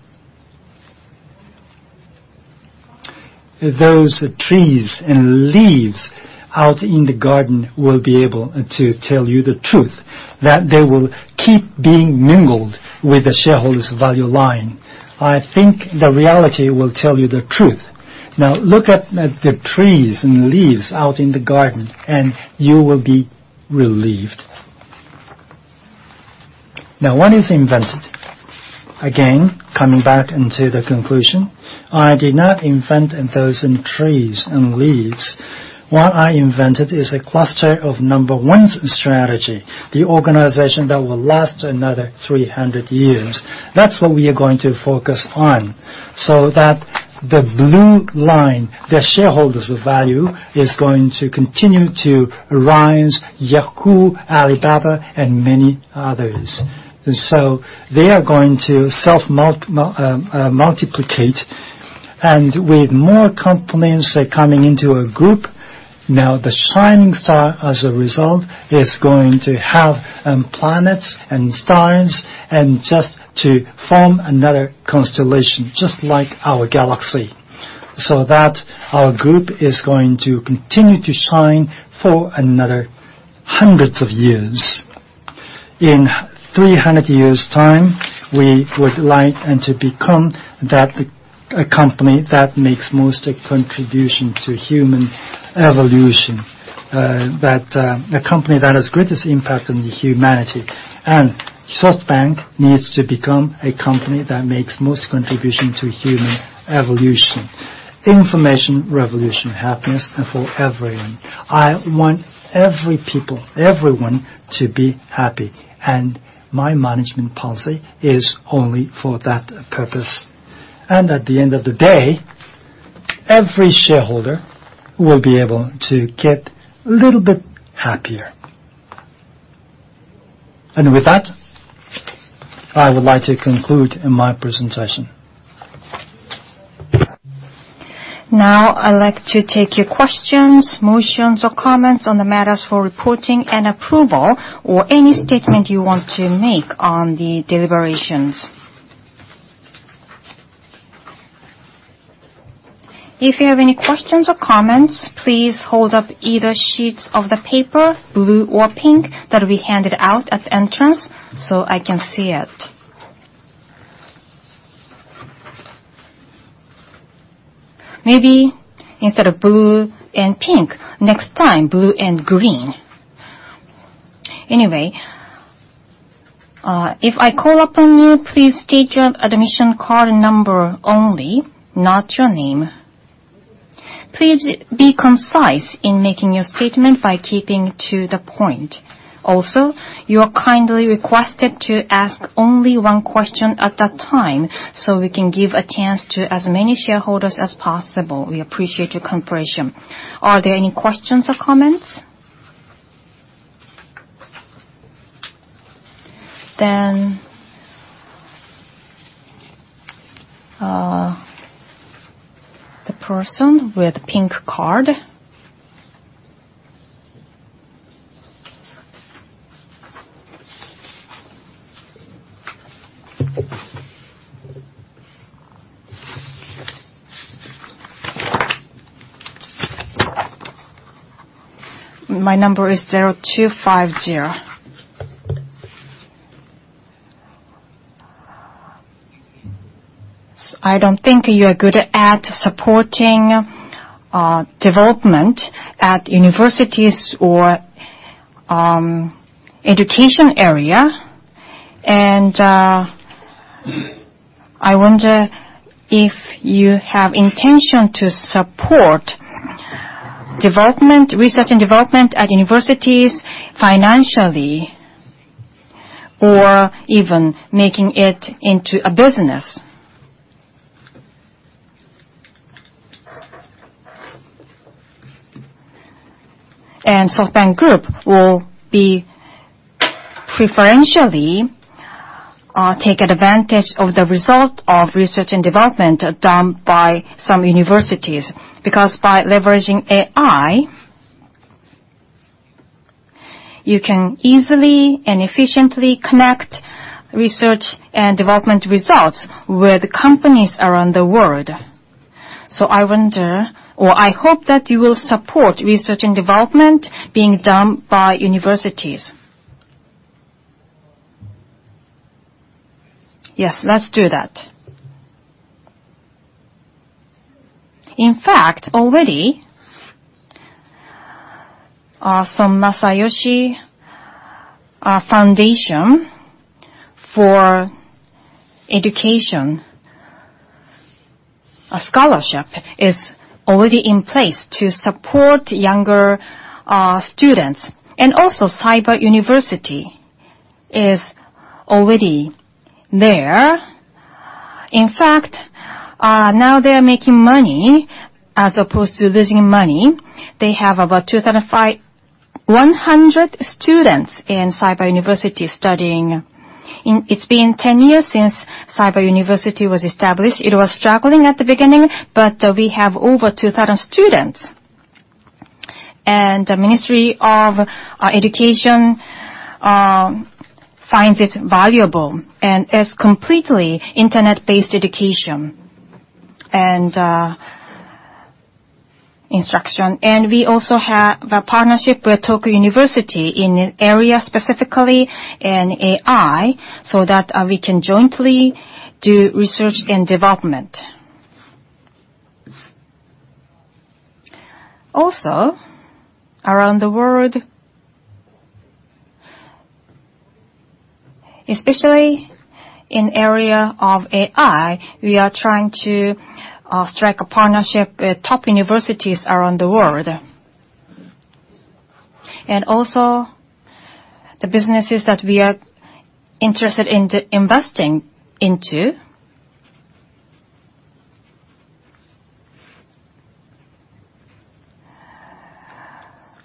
Those trees and leaves out in the garden will be able to tell you the truth, that they will keep being mingled with the shareholder value line. I think the reality will tell you the truth. Look at the trees and leaves out in the garden, and you will be relieved. What is invented? Coming back into the conclusion, I did not invent those trees and leaves. What I invented is a cluster of number one strategy, the organization that will last another 300 years. That's what we are going to focus on, so that the blue line, the shareholder value, is going to continue to rise, Yahoo!, Alibaba, and many others. They are going to self-multiplicate. With more companies coming into a group, the shining star as a result is going to have planets and stars and just to form another constellation, just like our galaxy, so that our group is going to continue to shine for another hundreds of years. In 300 years' time, we would like to become that company that makes most contribution to human evolution, the company that has greatest impact on humanity. SoftBank needs to become a company that makes most contribution to human evolution. Information revolution happens for everyone. I want everyone to be happy. My management policy is only for that purpose. At the end of the day, every shareholder will be able to get a little bit happier. With that, I would like to conclude my presentation. I'd like to take your questions, motions, or comments on the matters for reporting and approval, or any statement you want to make on the deliberations. If you have any questions or comments, please hold up either sheet of paper, blue or pink, that we handed out at the entrance so I can see it. Maybe instead of blue and pink, next time blue and green. If I call upon you, please state your admission card number only, not your name. Please be concise in making your statement by keeping to the point. You are kindly requested to ask only one question at a time so we can give a chance to as many shareholders as possible. We appreciate your cooperation. Are there any questions or comments? The person with pink card. My number is 0250. I don't think you are good at supporting development at universities or education area, and I wonder if you have intention to support research and development at universities financially or even making it into a business. SoftBank Group will be preferentially take advantage of the result of research and development done by some universities, because by leveraging AI, you can easily and efficiently connect research and development results with companies around the world. I wonder or I hope that you will support research and development being done by universities. Yes, let's do that. In fact, already, some Masason Foundation for education scholarship is already in place to support younger students. Cyber University is already there. In fact, now they're making money as opposed to losing money. They have about 2,100 students in Cyber University studying. It's been 10 years since Cyber University was established. It was struggling at the beginning, but we have over 2,000 students. The Ministry of Education finds it valuable, and it's completely internet-based education and instruction. We also have a partnership with The University of Tokyo in area, specifically in AI, so that we can jointly do research and development. Around the world, especially in area of AI, we are trying to strike a partnership with top universities around the world. The businesses that we are interested in investing into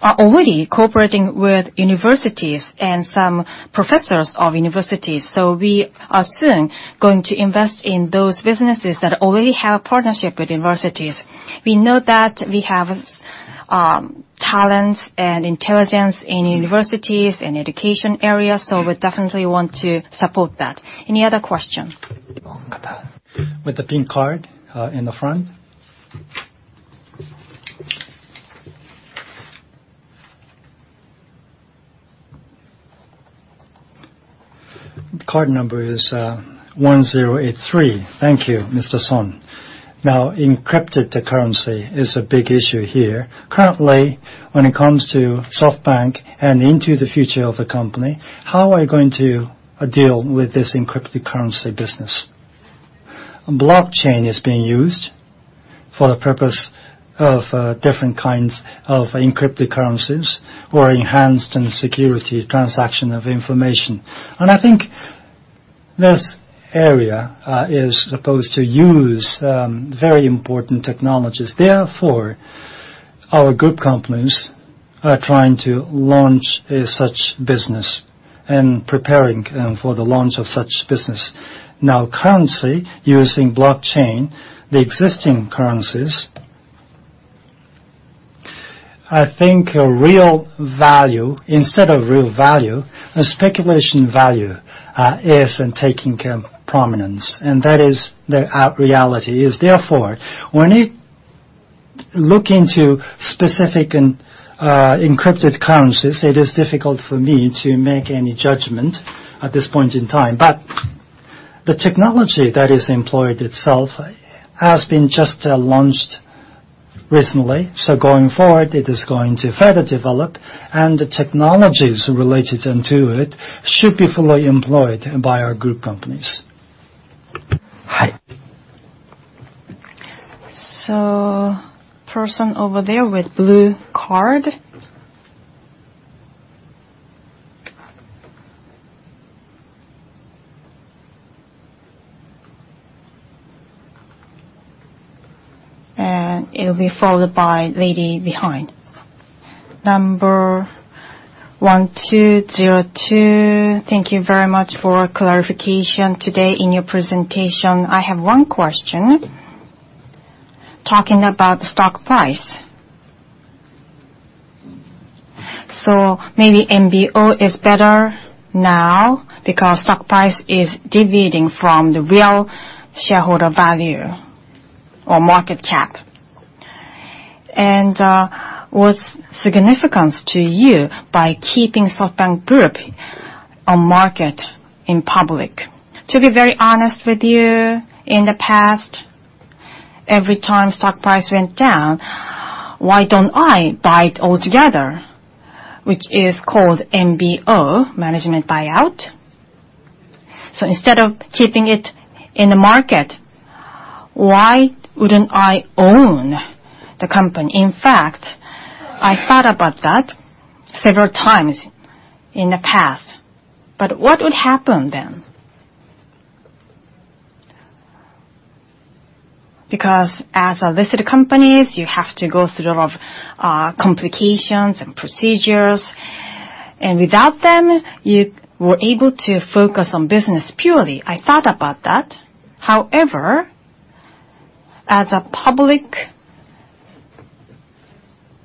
are already cooperating with universities and some professors of universities. We are soon going to invest in those businesses that already have partnership with universities. We know that we have talent and intelligence in universities, in education area, so we definitely want to support that. Any other question? With the pink card, in the front. Card number is 1083. Thank you, Mr. Son. Encrypted currency is a big issue here. Currently, when it comes to SoftBank and into the future of the company, how are you going to deal with this encrypted currency business? Blockchain is being used for the purpose of different kinds of cryptocurrencies or enhanced security transaction of information. I think this area is supposed to use very important technologies. Our group companies are trying to launch such business and preparing for the launch of such business. Currency using blockchain, the existing currencies, I think instead of real value, a speculation value is taking prominence, and that is the reality. When I look into specific encrypted currencies, it is difficult for me to make any judgment at this point in time. The technology that is employed itself has been just launched recently, so going forward, it is going to further develop, and the technologies related into it should be fully employed by our group companies. Person over there with blue card. It'll be followed by lady behind. Number 1,202. Thank you very much for clarification today in your presentation. I have one question, talking about stock price. Maybe MBO is better now because stock price is deviating from the real shareholder value or market cap. What's significance to you by keeping SoftBank Group on market in public? To be very honest with you, in the past, every time stock price went down, why don't I buy it altogether? Which is called MBO, management buyout. Instead of keeping it in the market, why wouldn't I own the company? In fact, I thought about that several times in the past. What would happen then? Because as a listed company, you have to go through a lot of complications and procedures, and without them, you were able to focus on business purely. I thought about that. However, as a public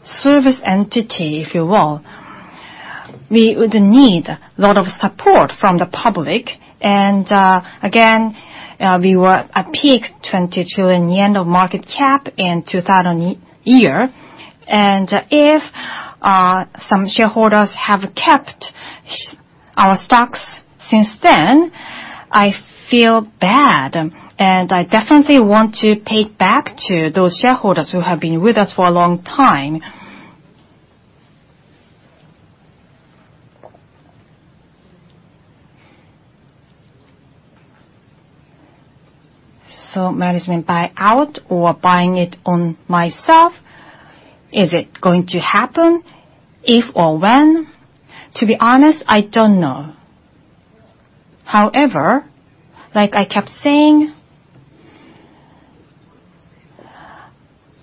service entity, if you will, we would need a lot of support from the public. Again, we were at peak 22 in the end of market cap in 2000, and if some shareholders have kept our stocks since then, I feel bad, and I definitely want to pay back to those shareholders who have been with us for a long time. Management buyout or buying it on myself, is it going to happen? If or when? To be honest, I don't know. However, like I kept saying,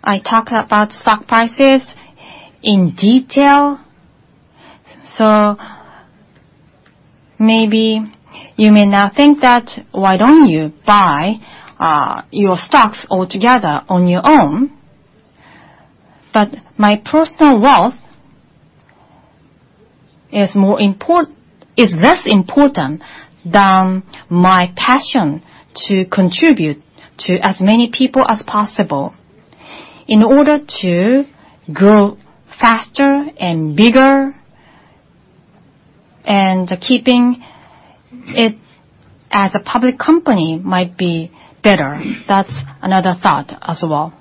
I talk about stock prices in detail, so maybe you may now think that, "Why don't you buy your stocks altogether on your own?" My personal wealth is less important than my passion to contribute to as many people as possible. In order to grow faster and bigger and keeping it as a public company might be better. That's another thought as well.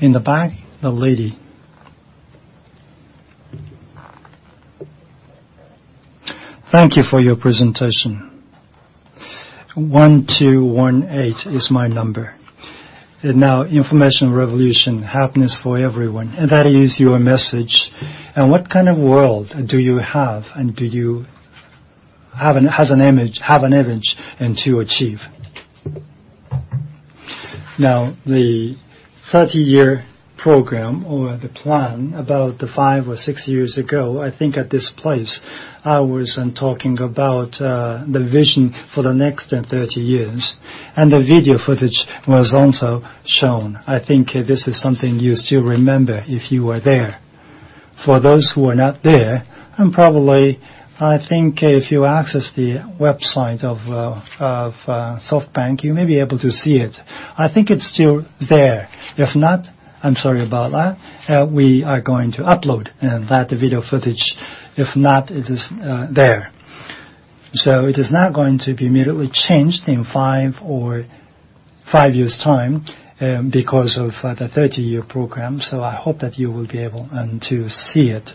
In the back, the lady. Thank you for your presentation. 1218 is my number. Information revolution happens for everyone, and that is your message. What kind of world do you have, and do you have an image and to achieve? The 30-year program or the plan about five or six years ago, I think at this place, I was talking about the vision for the next 30 years, and the video footage was also shown. I think this is something you still remember if you were there. For those who were not there, probably, I think if you access the website of SoftBank, you may be able to see it. I think it's still there. If not, I'm sorry about that. We are going to upload that video footage. If not, it is there. It is not going to be immediately changed in 5 years' time because of the 30-year program, so I hope that you will be able to see it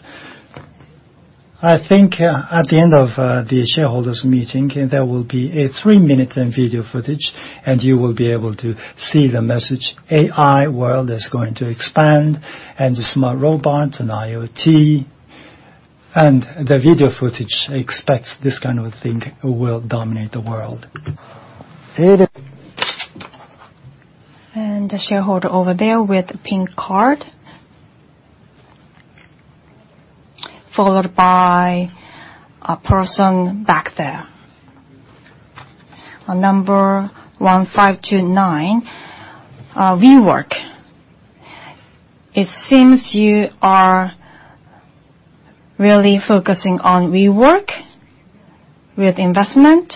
I think at the end of the shareholders' meeting, there will be a 3-minute video footage, and you will be able to see the message, AI world is going to expand, and the smart robots and IoT. The video footage expects this kind of thing will dominate the world. The shareholder over there with the pink card. Followed by a person back there. Number 1529, WeWork. It seems you are really focusing on WeWork with investment.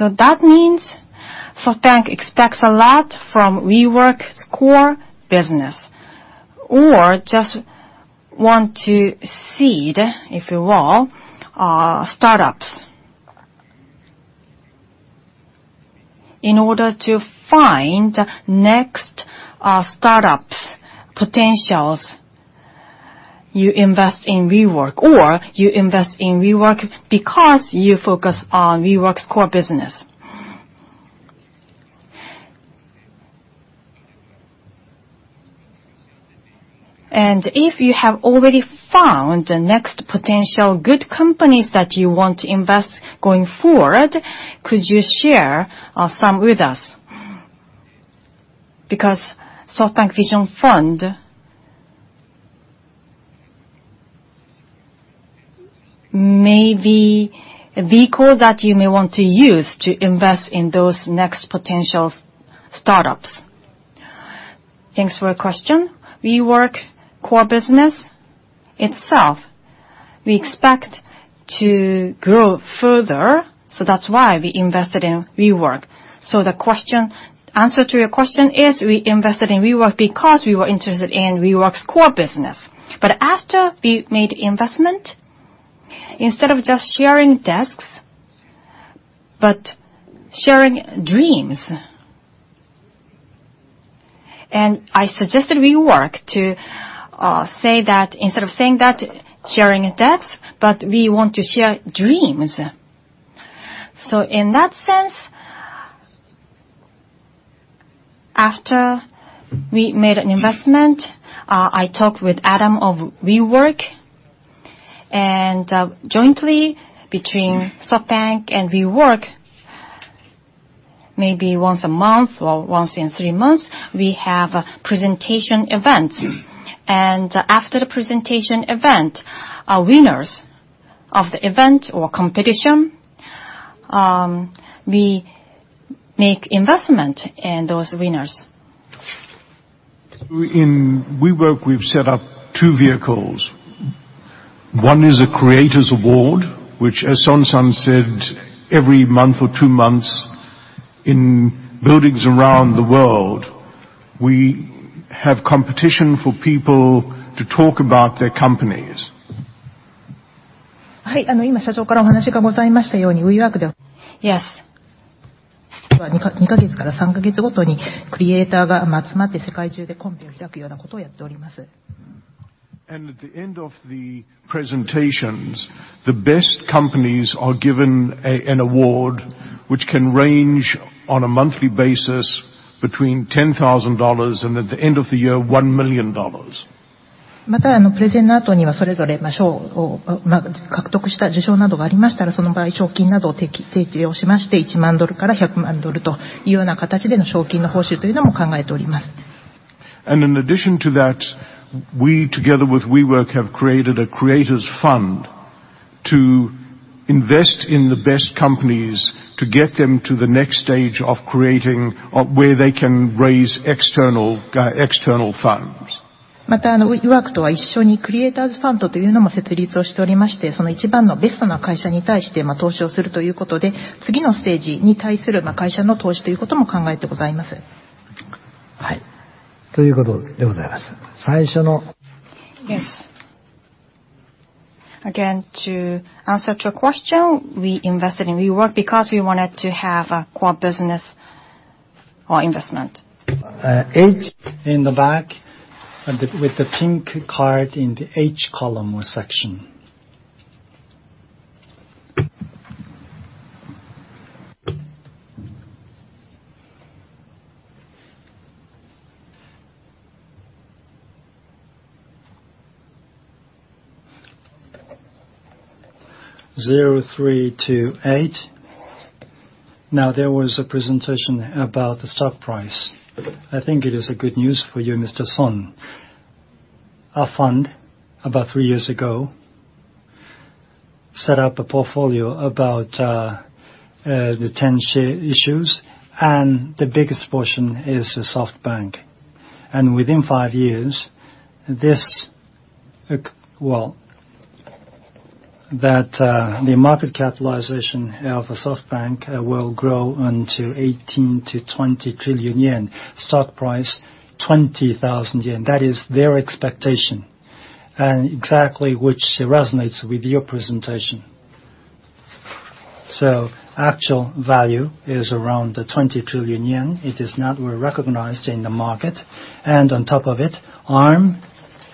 That means SoftBank expects a lot from WeWork's core business, or just want to seed, if you will, startups. In order to find next startups potentials, you invest in WeWork, or you invest in WeWork because you focus on WeWork's core business. If you have already found the next potential good companies that you want to invest going forward, could you share some with us? SoftBank Vision Fund may be a vehicle that you may want to use to invest in those next potential startups. Thanks for your question. WeWork core business itself, we expect to grow further. That's why we invested in WeWork. The answer to your question is, we invested in WeWork because we were interested in WeWork's core business. After we made the investment, instead of just sharing desks, but sharing dreams. I suggested WeWork to, instead of saying that sharing desks, but we want to share dreams. In that sense, after we made an investment, I talked with Adam of WeWork, and jointly between SoftBank and WeWork, maybe once a month or once in 3 months, we have presentation events. After the presentation event, winners of the event or competition, we make investment in those winners. In WeWork, we've set up two vehicles. One is a Creator Awards, which as Son said, every month or two months in buildings around the world, we have competition for people to talk about their companies. Yes. At the end of the presentations, the best companies are given an award, which can range on a monthly basis between $10,000, and at the end of the year, $1 million. In addition to that, we, together with WeWork, have created a Creator Fund to invest in the best companies to get them to the next stage of creating where they can raise external funds. Yes. Again, to answer to your question, we invested in WeWork because we wanted to have a core business investment. H in the back with the pink card in the H column or section. 0328. There was a presentation about the stock price. I think it is a good news for you, Mr. Son. Our fund, about three years ago, set up a portfolio about the 10 share issues, and the biggest portion is SoftBank. Within five years, the market capitalization of SoftBank will grow into 18-20 trillion yen, stock price 20,000 yen. That is their expectation, and exactly which resonates with your presentation. Actual value is around 20 trillion yen. It is not recognized in the market. On top of it, Arm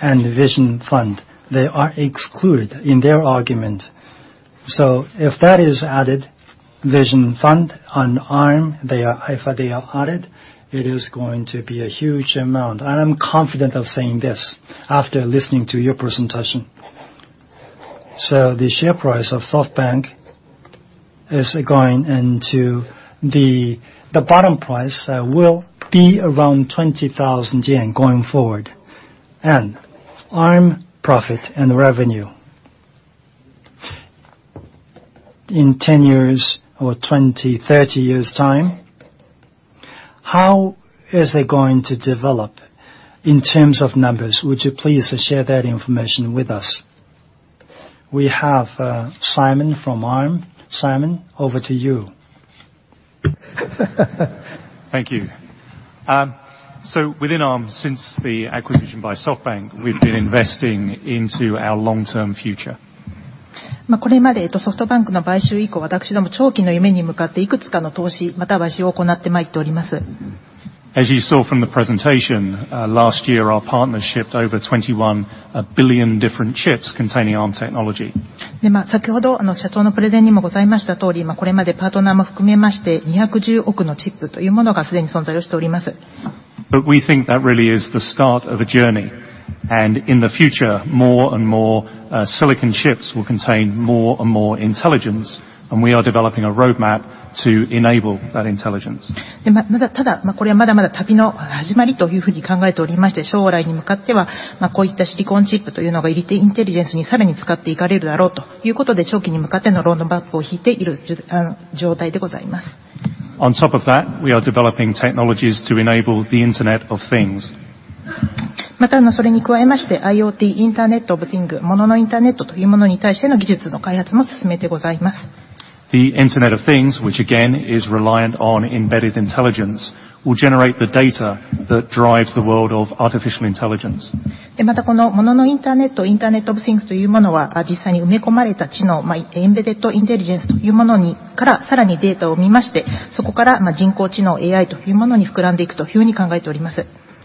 and Vision Fund, they are excluded in their argument. If that is added, Vision Fund and Arm, if they are added, it is going to be a huge amount. I'm confident of saying this after listening to your presentation. The share price of SoftBank is going into the bottom price, will be around 20,000 yen going forward. Arm profit and revenue in 10 years or 20, 30 years' time, how is it going to develop in terms of numbers? Would you please share that information with us? We have Simon from Arm. Simon, over to you. Thank you. Within Arm, since the acquisition by SoftBank, we've been investing into our long-term future. As you saw from the presentation, last year, our partners shipped over 21 billion different chips containing Arm technology. We think that really is the start of a journey, and in the future, more and more silicon chips will contain more and more intelligence, and we are developing a roadmap to enable that intelligence. On top of that, we are developing technologies to enable the Internet of Things. The Internet of Things, which again is reliant on embedded intelligence, will generate the data that drives the world of artificial intelligence. We are developing these core technologies, which will enable the vision that Masayoshi Son speaks about, and that will enable our long-term growth. I hope that explains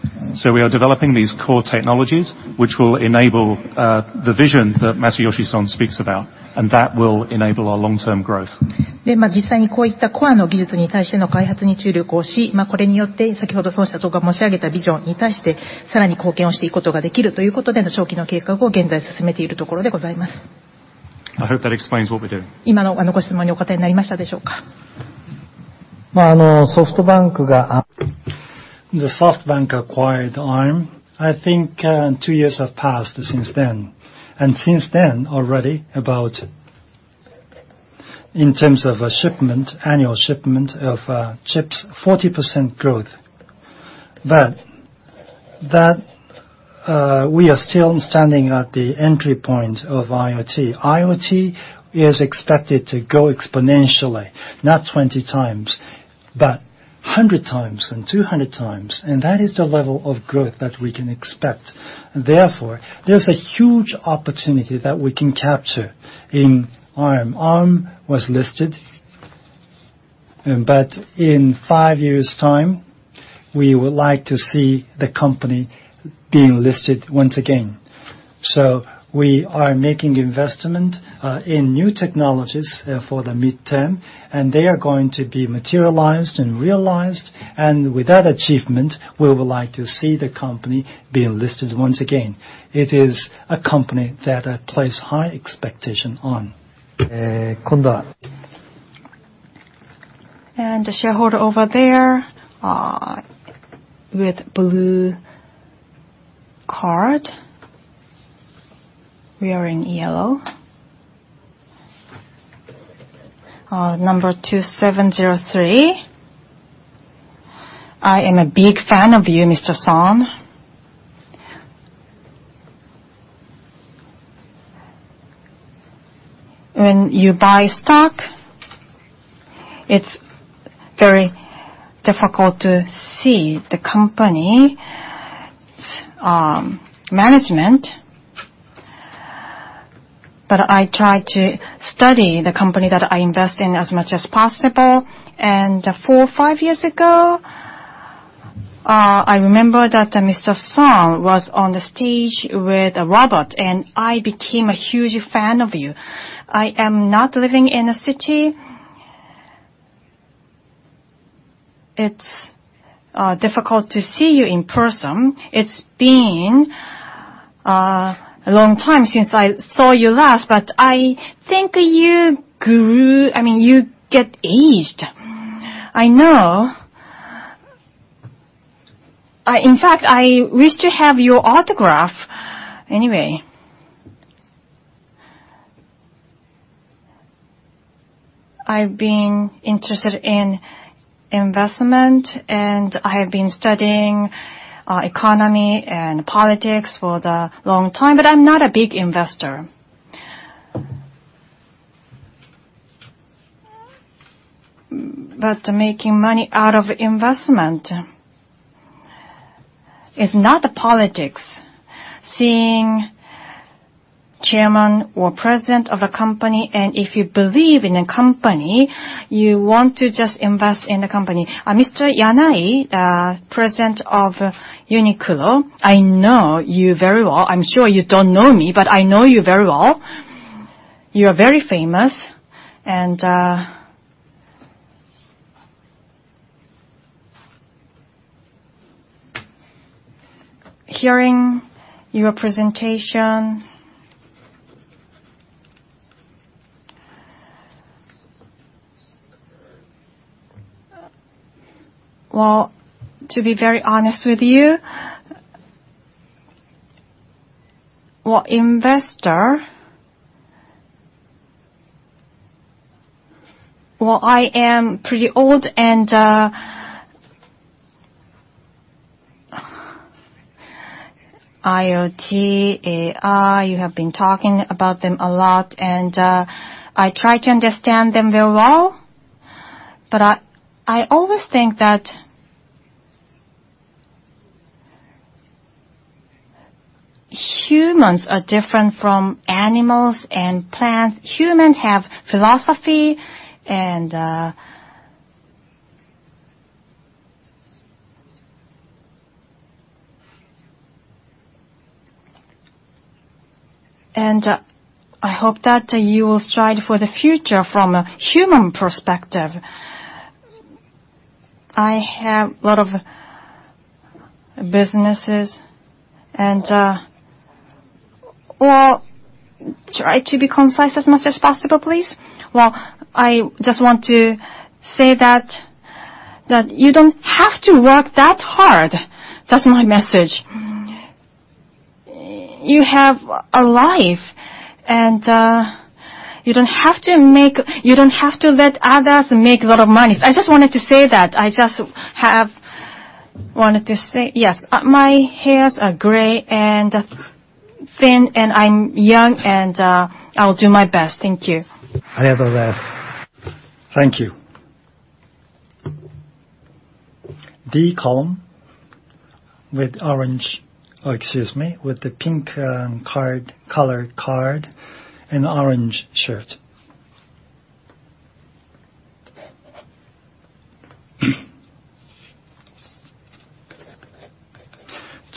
what we're doing. The SoftBank acquired Arm, I think two years have passed since then. Since then, already about, in terms of annual shipment of chips, 40% growth. We are still standing at the entry point of IoT. IoT is expected to go exponentially, not 20 times, but 100 times and 200 times, and that is the level of growth that we can expect. Therefore, there's a huge opportunity that we can capture in Arm. Arm was listed, but in five years' time, we would like to see the company being listed once again. We are making investment in new technologies for the midterm, and they are going to be materialized and realized, and with that achievement, we would like to see the company being listed once again. It is a company that I place high expectation on. The shareholder over there, with blue card. Wearing yellow. Number 2703. I am a big fan of you, Mr. Son. When you buy stock, it's very difficult to see the company's management, but I try to study the company that I invest in as much as possible. Four or five years ago, I remember that Mr. Son was on the stage with a robot, and I became a huge fan of you. I am not living in a city. It's difficult to see you in person. It's been a long time since I saw you last, but I think you grew, I mean, you get aged. I know. In fact, I wish to have your autograph. Anyway, I've been interested in investment, and I have been studying economy and politics for the long time, but I'm not a big investor. Making money out of investment. It's not politics. Seeing chairman or president of a company, if you believe in a company, you want to just invest in the company. Mr. Yanai, president of Uniqlo, I know you very well. I'm sure you don't know me, but I know you very well. You are very famous. Hearing your presentation. Well, to be very honest with you, investor, I am pretty old. IoT, AI, you have been talking about them a lot, I try to understand them very well. I always think that humans are different from animals and plants. Humans have philosophy, I hope that you will strive for the future from a human perspective. I have a lot of businesses. Well, try to be concise as much as possible, please. I just want to say that you don't have to work that hard. That's my message. You have a life, you don't have to let others make a lot of money. I just wanted to say that. I just wanted to say, yes. My hairs are gray and thin, I'm young, I'll do my best. Thank you. I have a rest. Thank you. D column with orange, excuse me, with the pink color card and orange shirt.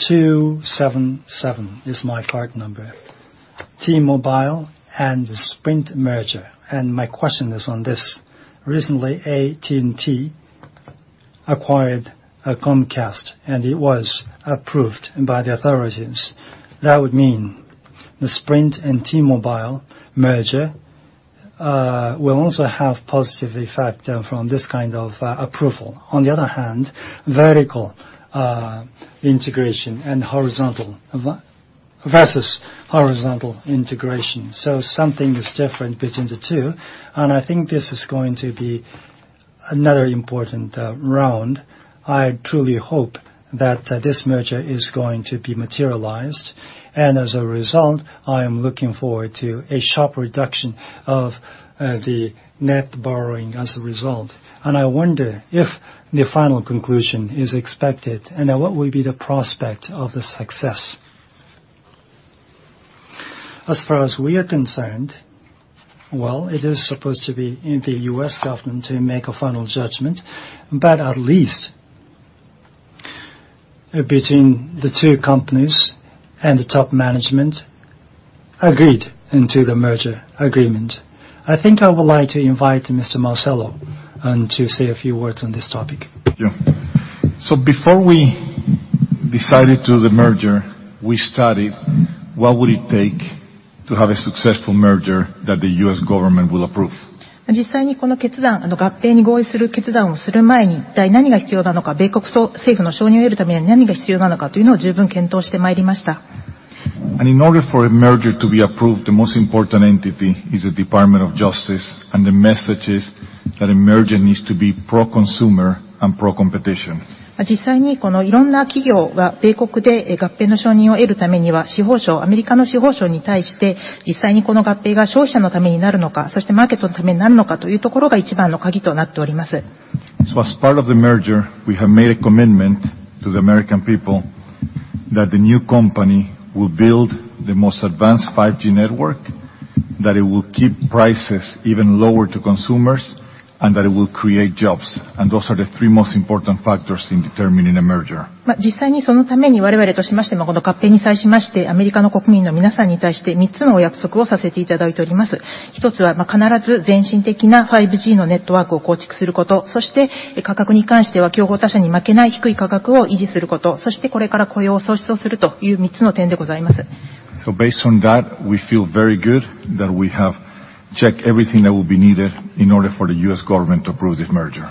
277 is my card number. T-Mobile and the Sprint merger, my question is on this. Recently, AT&T acquired Comcast, it was approved by the authorities. That would mean the Sprint and T-Mobile merger will also have positive effect from this kind of approval. On the other hand, vertical integration versus horizontal integration. Something is different between the two. I think this is going to be another important round. I truly hope that this merger is going to be materialized. As a result, I am looking forward to a sharp reduction of the net borrowing as a result. I wonder if the final conclusion is expected, what will be the prospect of the success? As far as we are concerned, well, it is supposed to be in the U.S. government to make a final judgment. At least between the two companies and the top management, agreed into the merger agreement. I think I would like to invite Mr. Marcelo to say a few words on this topic. Before we decided to do the merger, we studied what would it take to have a successful merger that the U.S. government will approve. In order for a merger to be approved, the most important entity is the Department of Justice, the message is that a merger needs to be pro-consumer and pro-competition. As part of the merger, we have made a commitment to the American people that the new company will build the most advanced 5G network, that it will keep prices even lower to consumers, that it will create jobs. Those are the three most important factors in determining a merger. Based on that, we feel very good that we have checked everything that will be needed in order for the U.S. government to approve this merger.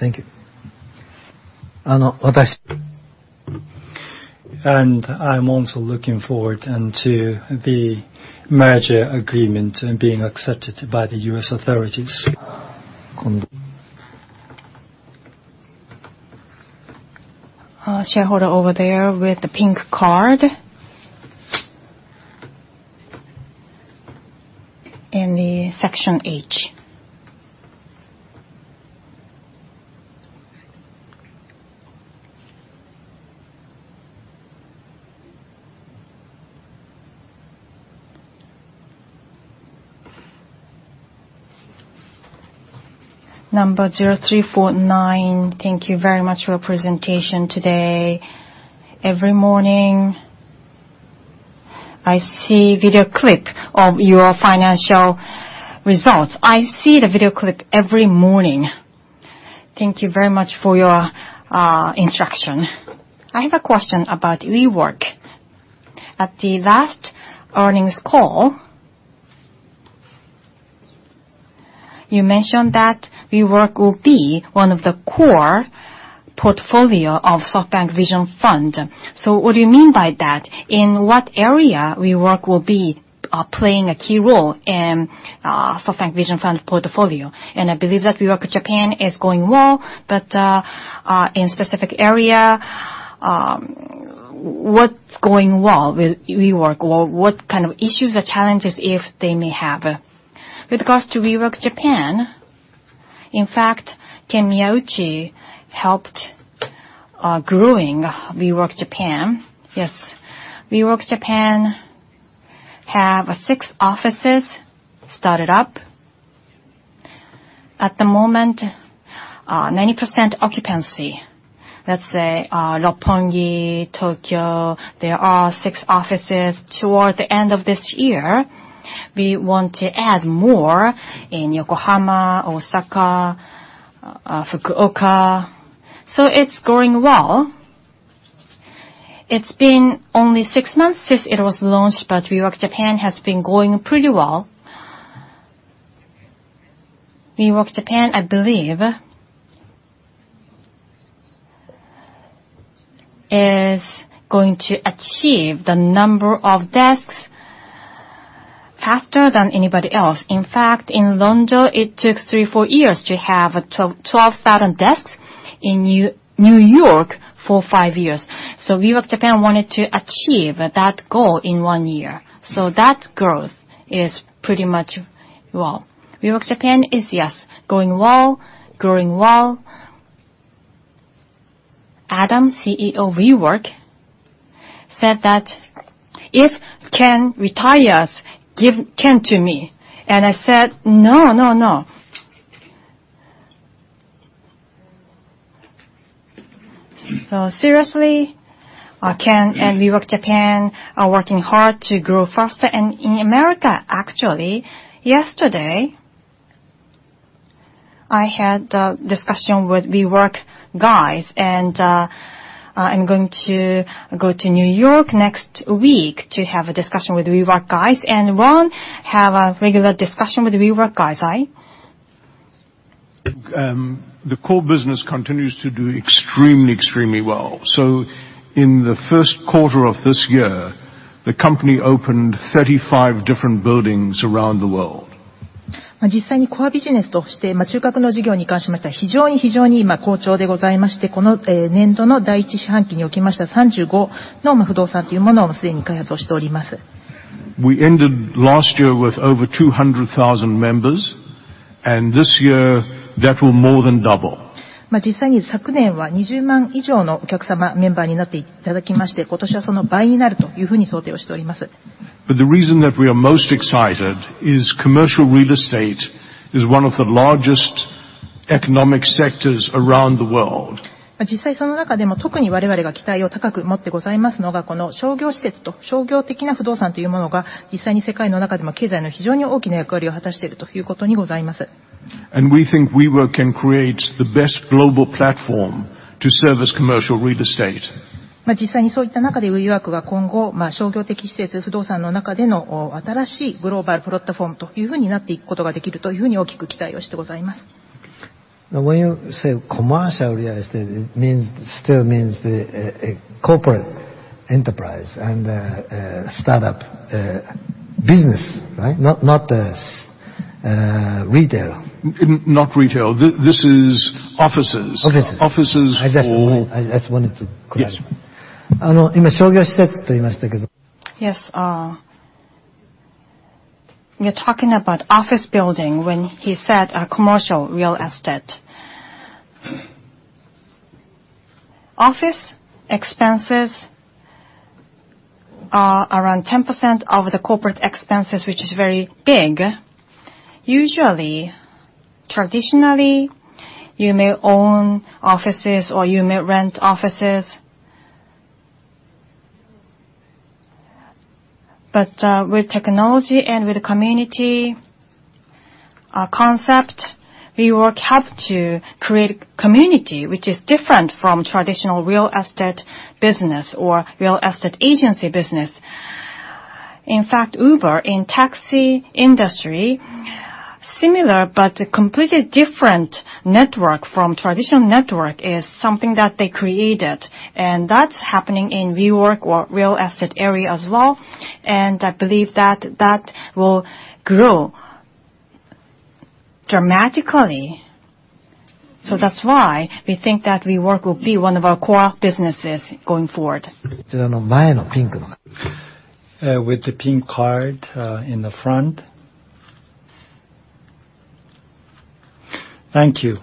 Thank you. I'm also looking forward into the merger agreement being accepted by the U.S. authorities. Shareholder over there with the pink card in the section H. Number 0349, thank you very much for your presentation today. Every morning, I see a video clip of your financial results. I see the video clip every morning. Thank you very much for your instruction. I have a question about WeWork. At the last earnings call, you mentioned that WeWork will be one of the core portfolio of SoftBank Vision Fund. What do you mean by that? In what area WeWork will be playing a key role in SoftBank Vision Fund portfolio? I believe that WeWork Japan is going well, but in specific area, what's going well with WeWork? Or what kind of issues or challenges, if they may have? With regards to WeWork Japan, in fact, Ken Miyauchi helped growing WeWork Japan. Yes. WeWork Japan have six offices started up. At the moment, 90% occupancy. Let's say, Roppongi, Tokyo, there are six offices. Toward the end of this year, we want to add more in Yokohama, Osaka, Fukuoka. It's going well. It's been only six months since it was launched, but WeWork Japan has been going pretty well. WeWork Japan, I believe, is going to achieve the number of desks faster than anybody else. In fact, in London, it took three, four years to have 12,000 desks. In New York, four, five years. WeWork Japan wanted to achieve that goal in one year. That growth is pretty much well. WeWork Japan is, yes, going well, growing well. Adam, CEO of WeWork, said that, "If Ken retires, give Ken to me." I said, "No, no." Seriously, Ken and WeWork Japan are working hard to grow faster. In America, actually, yesterday, I had a discussion with WeWork guys and I'm going to go to New York next week to have a discussion with WeWork guys. Ron have a regular discussion with WeWork guys, aye? The core business continues to do extremely well. In the first quarter of this year, the company opened 35 different buildings around the world. We ended last year with over 200,000 members, and this year, that will more than double. The reason that we are most excited is commercial real estate is one of the largest economic sectors around the world. We think WeWork can create the best global platform to service commercial real estate. Now, when you say commercial real estate, it still means the corporate enterprise and startup business, right? Not retail. Not retail. This is offices. Offices. Offices for- I just wanted to clarify. Yes. Yes. We are talking about office building when he said commercial real estate. Office expenses are around 10% of the corporate expenses, which is very big. Usually, traditionally, you may own offices or you may rent offices. With technology and with the community concept, WeWork have to create a community which is different from traditional real estate business or real estate agency business. In fact, Uber in taxi industry, similar but completely different network from traditional network is something that they created, and that's happening in WeWork or real estate area as well, and I believe that that will grow dramatically. That's why we think that WeWork will be one of our core businesses going forward. With the pink card in the front. Thank you.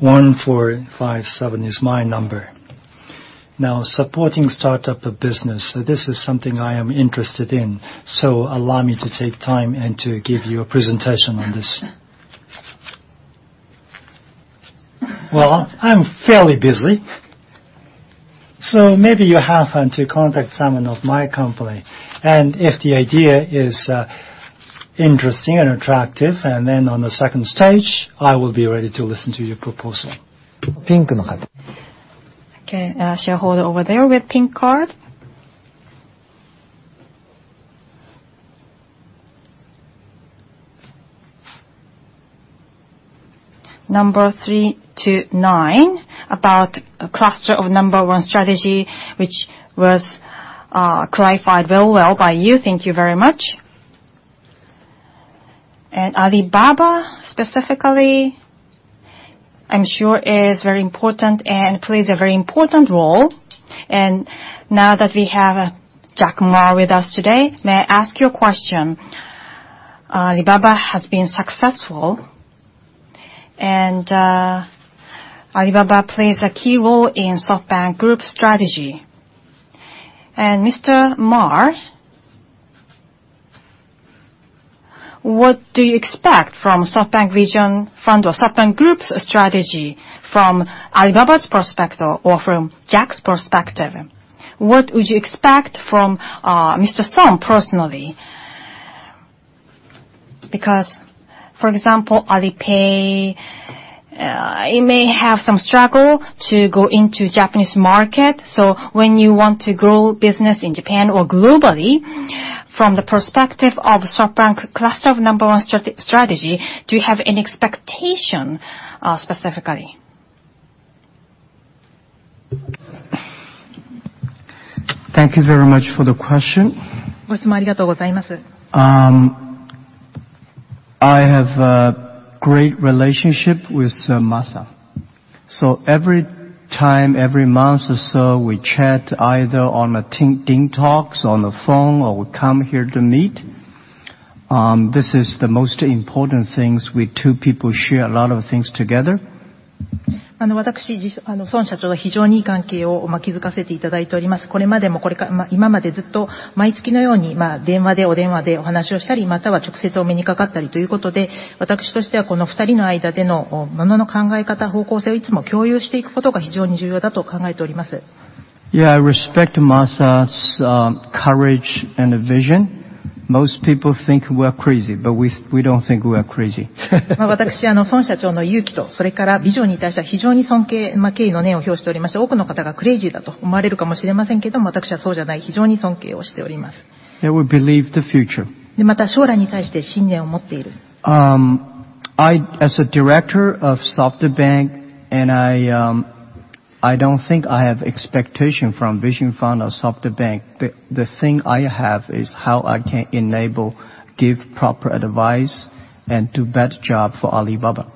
1,457 is my number. Now, supporting startup of business, this is something I am interested in, so allow me to take time and to give you a presentation on this. Well, I'm fairly busy, so maybe you have to contact someone of my company, and if the idea is interesting and attractive, and then on the stage 2, I will be ready to listen to your proposal. Okay, shareholder over there with pink card. Number 329, about cluster of number one strategy, which was clarified very well by you. Thank you very much. Alibaba, specifically, I'm sure is very important and plays a very important role. Now that we have Jack Ma with us today, may I ask you a question? Alibaba has been successful, and Alibaba plays a key role in SoftBank Group's strategy. Mr. Ma, what do you expect from SoftBank Vision Fund or SoftBank Group's strategy from Alibaba's perspective or from Jack's perspective? What would you expect from Mr. Son personally? Because, for example, Alipay, it may have some struggle to go into Japanese market. When you want to grow business in Japan or globally, from the perspective of SoftBank cluster of number one strategy, do you have any expectation specifically? Thank you very much for the question. I have a great relationship with Masa. Every time, every month or so, we chat either on the Teams, TikTok, on the phone, or we come here to meet. This is the most important thing. We two people share a lot of things together. Yeah, I respect Masa's courage and vision. Most people think we're crazy, but we don't think we are crazy. We believe the future. As a director of SoftBank, I don't think I have expectation from Vision Fund or SoftBank. The thing I have is how I can enable, give proper advice, and do better job for Alibaba.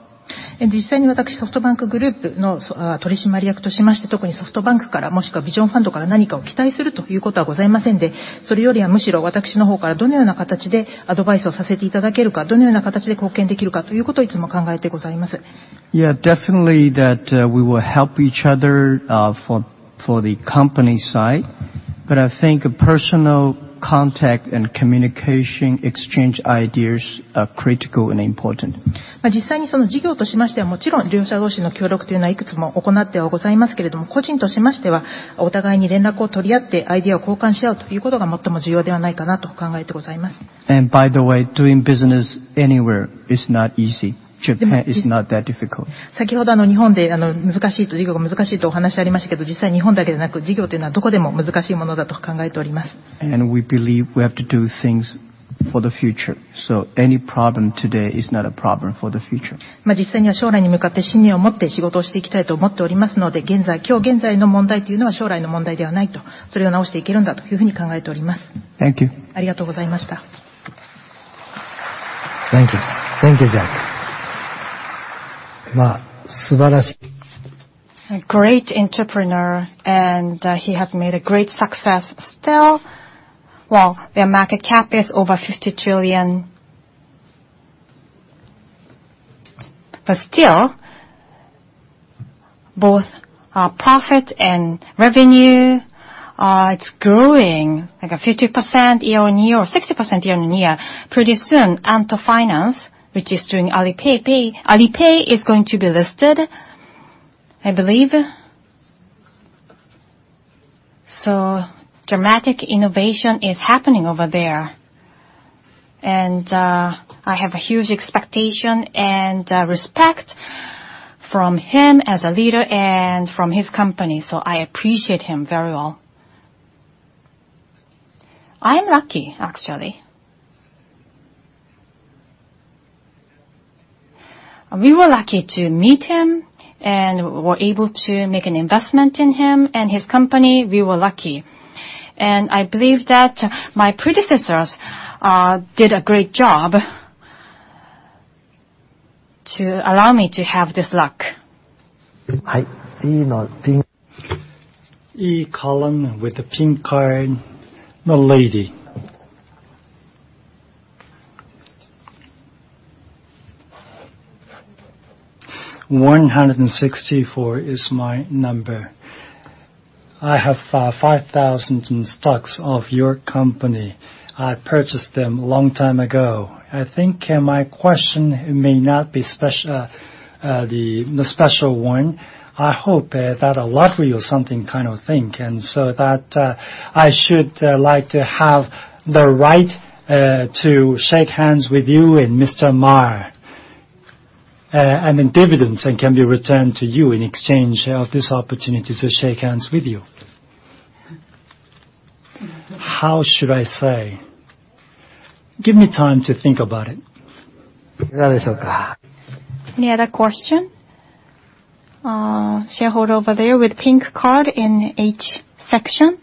Yeah, definitely that we will help each other for the company side. I think personal contact and communication, exchange ideas are critical and important. By the way, doing business anywhere is not easy. Japan is not that difficult. We believe we have to do things for the future. Any problem today is not a problem for the future. Thank you. Thank you. Thank you, Jack. He has made a great success still, while their market cap is over 50 trillion. Still, both profit and revenue, it's growing like 50% year-on-year or 60% year-on-year. Pretty soon, Ant Financial, which is doing Alipay is going to be listed, I believe. Dramatic innovation is happening over there, and I have a huge expectation and respect from him as a leader and from his company. I appreciate him very well. I'm lucky, actually. We were lucky to meet him, and we were able to make an investment in him and his company. We were lucky. I believe that my predecessors did a great job to allow me to have this luck. E column with the pink card. The lady. 164 is my number. I have 5,000 in stocks of your company. I purchased them a long time ago. I think my question may not be the special one. I hope that a lottery or something kind of thing, I should like to have the right to shake hands with you and Mr. Ma. Dividends can be returned to you in exchange of this opportunity to shake hands with you. How should I say? Give me time to think about it. Any other question? Shareholder over there with pink card in H section.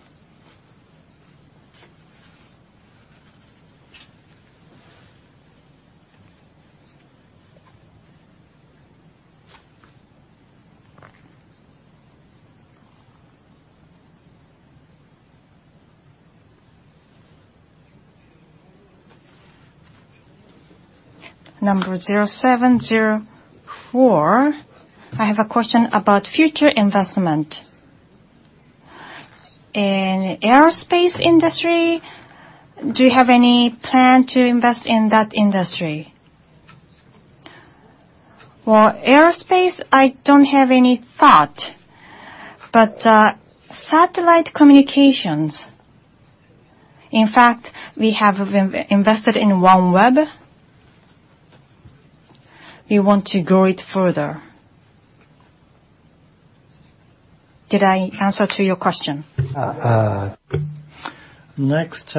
Number 0704. I have a question about future investment. In aerospace industry, do you have any plan to invest in that industry? Well, aerospace, I don't have any thought, but satellite communications. In fact, we have invested in OneWeb. We want to grow it further. Did I answer to your question? Yes. Next,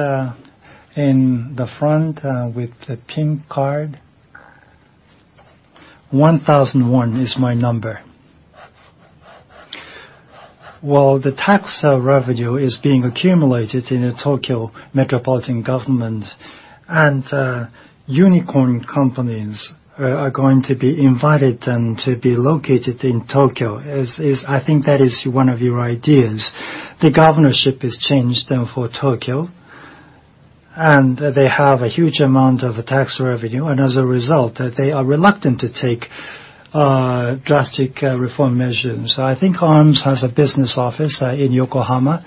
in the front with the pink card. 1,001 is my number. Well, the tax revenue is being accumulated in the Tokyo Metropolitan Government, unicorn companies are going to be invited and to be located in Tokyo, I think that is one of your ideas. The governorship has changed, though, for Tokyo, they have a huge amount of tax revenue, as a result, they are reluctant to take drastic reform measures. I think Arm has a business office in Yokohama.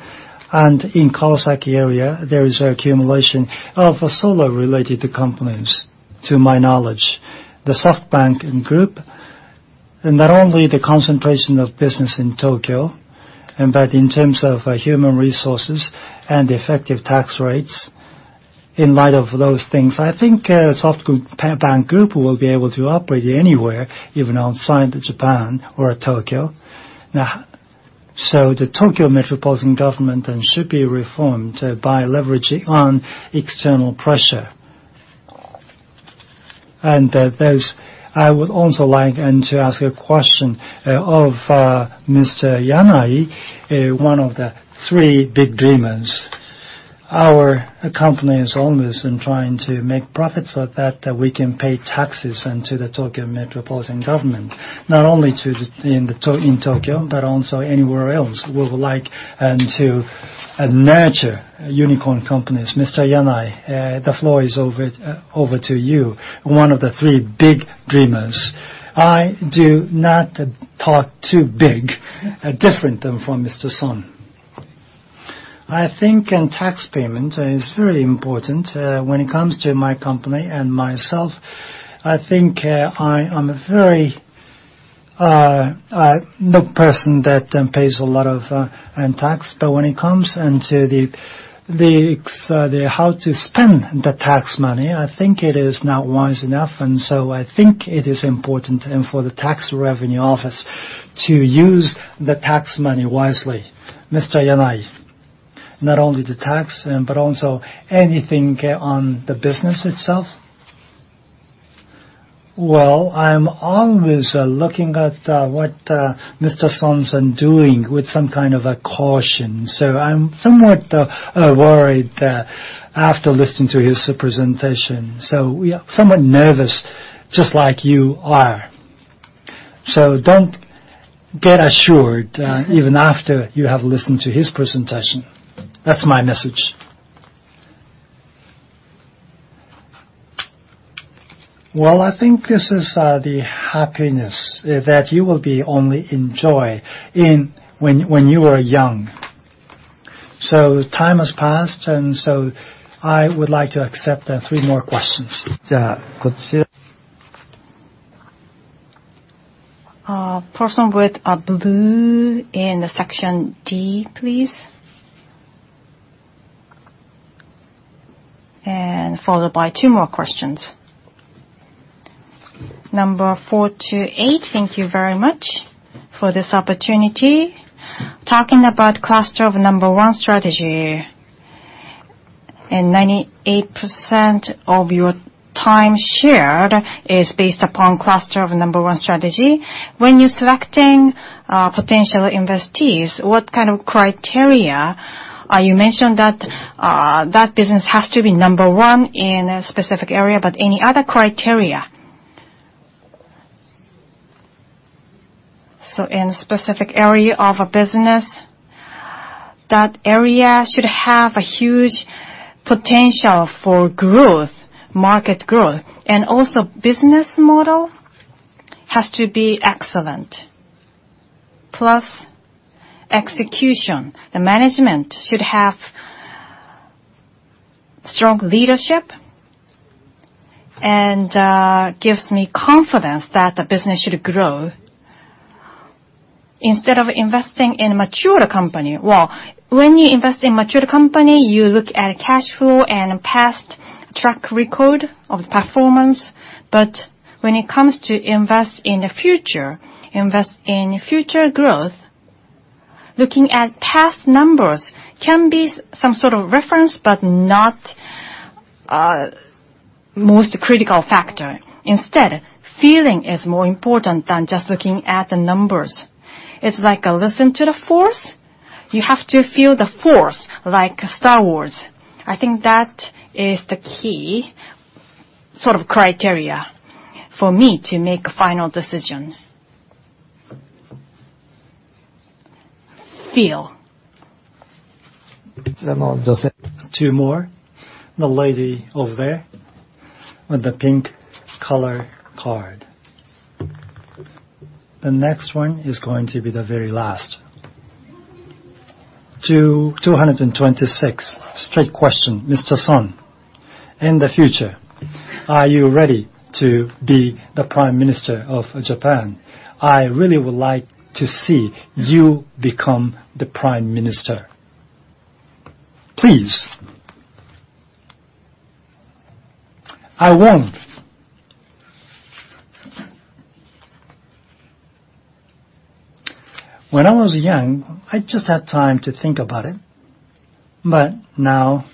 In Kawasaki area, there is accumulation of solar-related companies, to my knowledge. The SoftBank Group, not only the concentration of business in Tokyo, but in terms of human resources and effective tax rates. In light of those things, I think SoftBank Group will be able to operate anywhere, even outside Japan or Tokyo. the Tokyo metropolitan government then should be reformed by leveraging on external pressure. I would also like then to ask a question of Mr. Yanai, one of the three big dreamers. Our company is always trying to make profits so that we can pay taxes into the Tokyo metropolitan government, not only in Tokyo, but also anywhere else. We would like to nurture unicorn companies. Mr. Yanai, the floor is over to you, one of the three big dreamers. I do not talk too big, different from Mr. Son. I think tax payment is very important when it comes to my company and myself. I think I'm a very good person that pays a lot of tax. When it comes into the how to spend the tax money, I think it is not wise enough. I think it is important for the tax revenue office to use the tax money wisely. Mr. Yanai, not only the tax, but also anything on the business itself? Well, I'm always looking at what Mr. Son's doing with some kind of a caution. I'm somewhat worried after listening to his presentation. Yeah, somewhat nervous, just like you are. Don't get assured even after you have listened to his presentation. That's my message. Well, I think this is the happiness that you will be only enjoy in when you are young. Time has passed, I would like to accept three more questions. Person with a blue in the section D, please. Followed by two more questions. Number 428. Thank you very much for this opportunity. Talking about cluster of number one strategy 98% of your time shared is based upon cluster of number one strategy. When you're selecting potential investees, what kind of criteria? You mentioned that that business has to be number one in a specific area, but any other criteria? In specific area of a business, that area should have a huge potential for growth, market growth, and also business model has to be excellent. Plus execution. The management should have strong leadership and gives me confidence that the business should grow. Instead of investing in a mature company. Well, when you invest in mature company, you look at cash flow and past track record of performance. When it comes to invest in the future, invest in future growth, looking at past numbers can be some sort of reference, but not most critical factor. Instead, feeling is more important than just looking at the numbers. It's like listen to the force. You have to feel the force like Star Wars. I think that is the key sort of criteria for me to make a final decision. Feel. I'll just take two more. The lady over there with the pink color card. The next one is going to be the very last. 226. Straight question. Mr. Son, in the future, are you ready to be the Prime Minister of Japan? I really would like to see you become the Prime Minister. Please. I won't. When I was young, I just had time to think about it, but now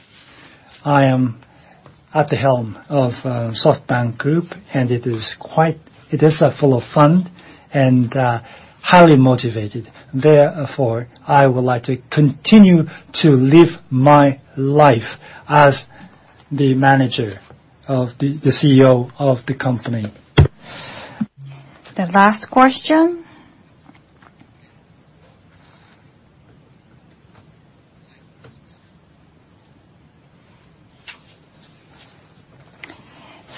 I am at the helm of SoftBank Group, and it is full of fun and highly motivated. I would like to continue to live my life as the manager, the CEO of the company. The last question.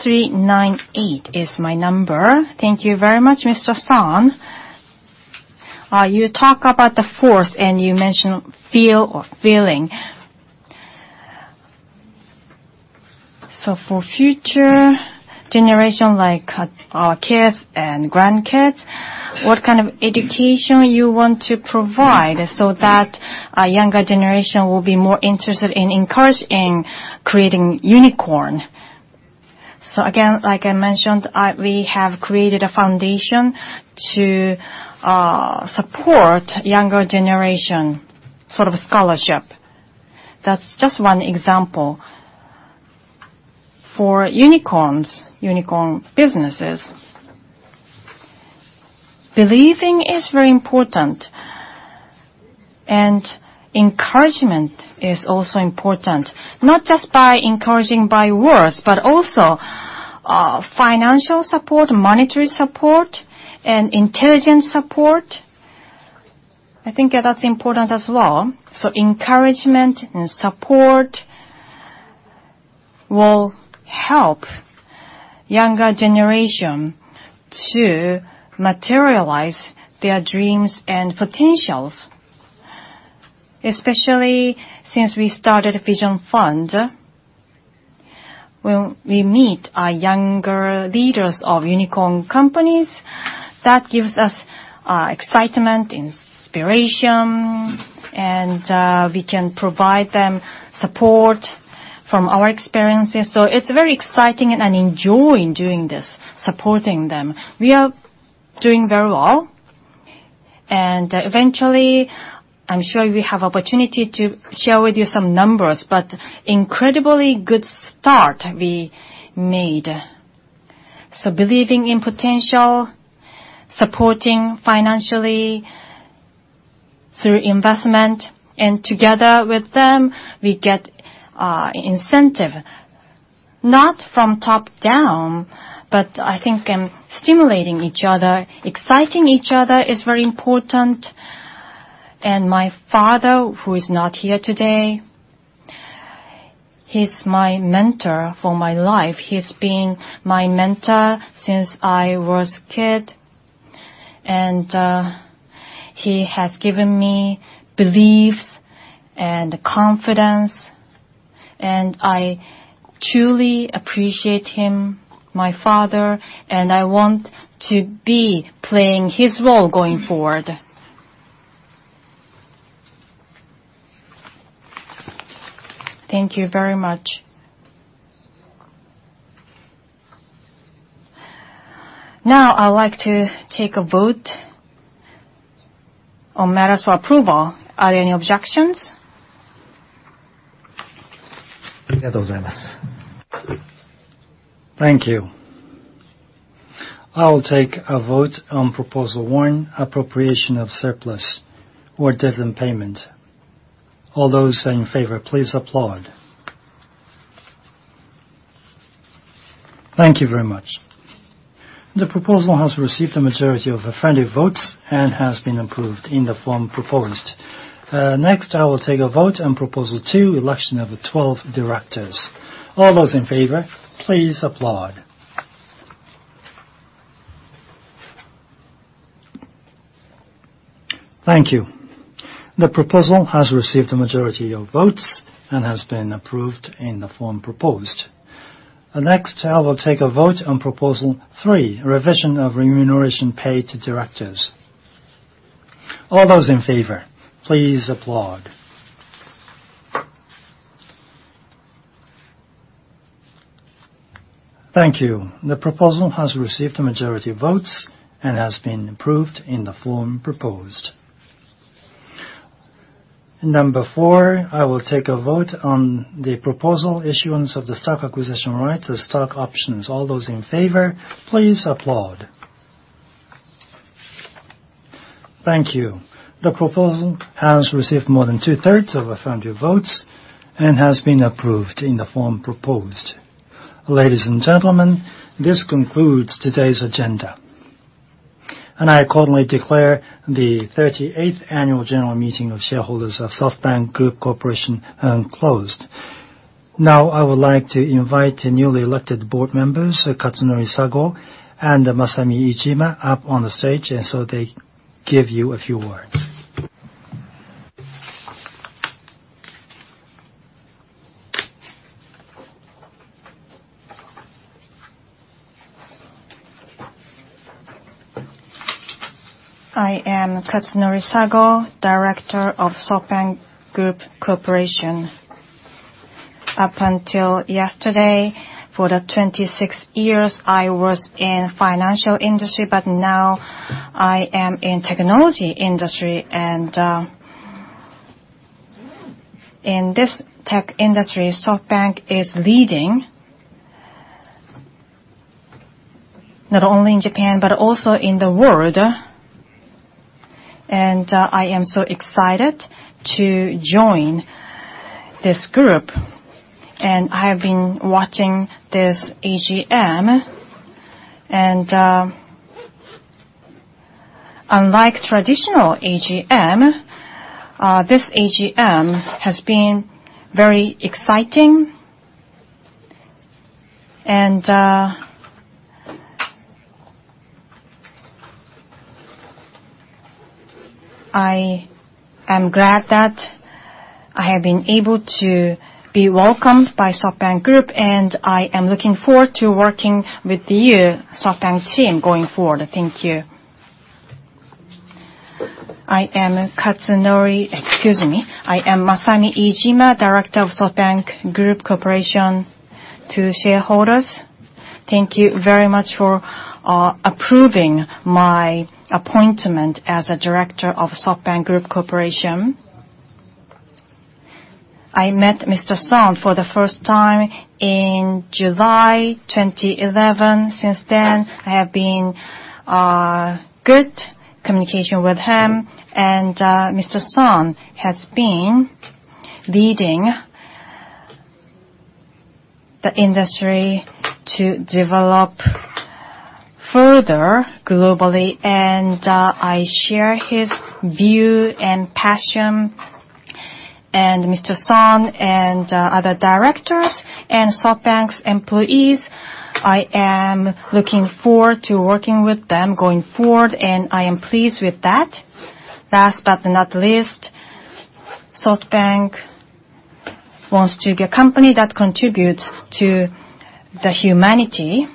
398 is my number. Thank you very much, Mr. Son. You talk about the force and you mention feel or feeling. For future generation, like our kids and grandkids, what kind of education you want to provide so that a younger generation will be more interested in encouraging creating unicorn? Again, like I mentioned, we have created a foundation to support younger generation, sort of scholarship. That's just one example. For unicorns, unicorn businesses, believing is very important, and encouragement is also important. Not just by encouraging by words, but also financial support, monetary support, and intelligence support. I think that's important as well. Encouragement and support will help younger generation to materialize their dreams and potentials. Especially since we started Vision Fund, when we meet younger leaders of unicorn companies, that gives us excitement, inspiration, and we can provide them support from our experiences. It's very exciting and enjoying doing this, supporting them. We are doing very well, and eventually, I'm sure we have opportunity to share with you some numbers, but incredibly good start we made. Believing in potential, supporting financially through investment, and together with them, we get incentive, not from top-down, but I think in stimulating each other, exciting each other is very important. My father, who is not here today, he's my mentor for my life. He's been my mentor since I was kid, and he has given me beliefs and confidence, and I truly appreciate him, my father, and I want to be playing his role going forward. Thank you very much. Now I would like to take a vote on matters for approval. Are there any objections? Thank you. I will take a vote on Proposal One, Appropriation of Surplus for Dividend Payment. All those in favor, please applaud. Thank you very much. The proposal has received the majority of affirmative votes and has been approved in the form proposed. I will take a vote on Proposal Two, Election of the 12 Directors. All those in favor, please applaud. Thank you. The proposal has received the majority of votes and has been approved in the form proposed. I will take a vote on Proposal Three, Revision of Remuneration Paid to Directors. All those in favor, please applaud. Thank you. The proposal has received the majority of votes and has been approved in the form proposed. Number 4, I will take a vote on the proposal, Issuance of the Stock Acquisition Rights as Stock Options. All those in favor, please applaud. Thank you. The proposal has received more than two-thirds of affirmative votes and has been approved in the form proposed. Ladies and gentlemen, this concludes today's agenda, I accordingly declare the 38th Annual General Meeting of Shareholders of SoftBank Group Corp. closed. I would like to invite the newly elected board members, Katsunori Sago and Masami Iijima, up on the stage so they give you a few words. I am Katsunori Sago, Director of SoftBank Group Corporation. Up until yesterday, for the 26 years, I was in financial industry, but now I am in technology industry. In this tech industry, SoftBank is leading, not only in Japan, but also in the world, I am so excited to join this group. I have been watching this AGM, unlike traditional AGM, this AGM has been very exciting, I am glad that I have been able to be welcomed by SoftBank Group, I am looking forward to working with you, SoftBank team, going forward. Thank you. Excuse me. I am Masami Iijima, Director of SoftBank Group Corporation. To shareholders, thank you very much for approving my appointment as a director of SoftBank Group Corporation. I met Mr. Son for the first time in July 2011. Since then, I have been good communication with him, Mr. Son has been leading the industry to develop further globally, I share his view and passion. Mr. Son and other directors and SoftBank's employees, I am looking forward to working with them going forward, I am pleased with that. Last but not least, SoftBank wants to be a company that contributes to the humanity.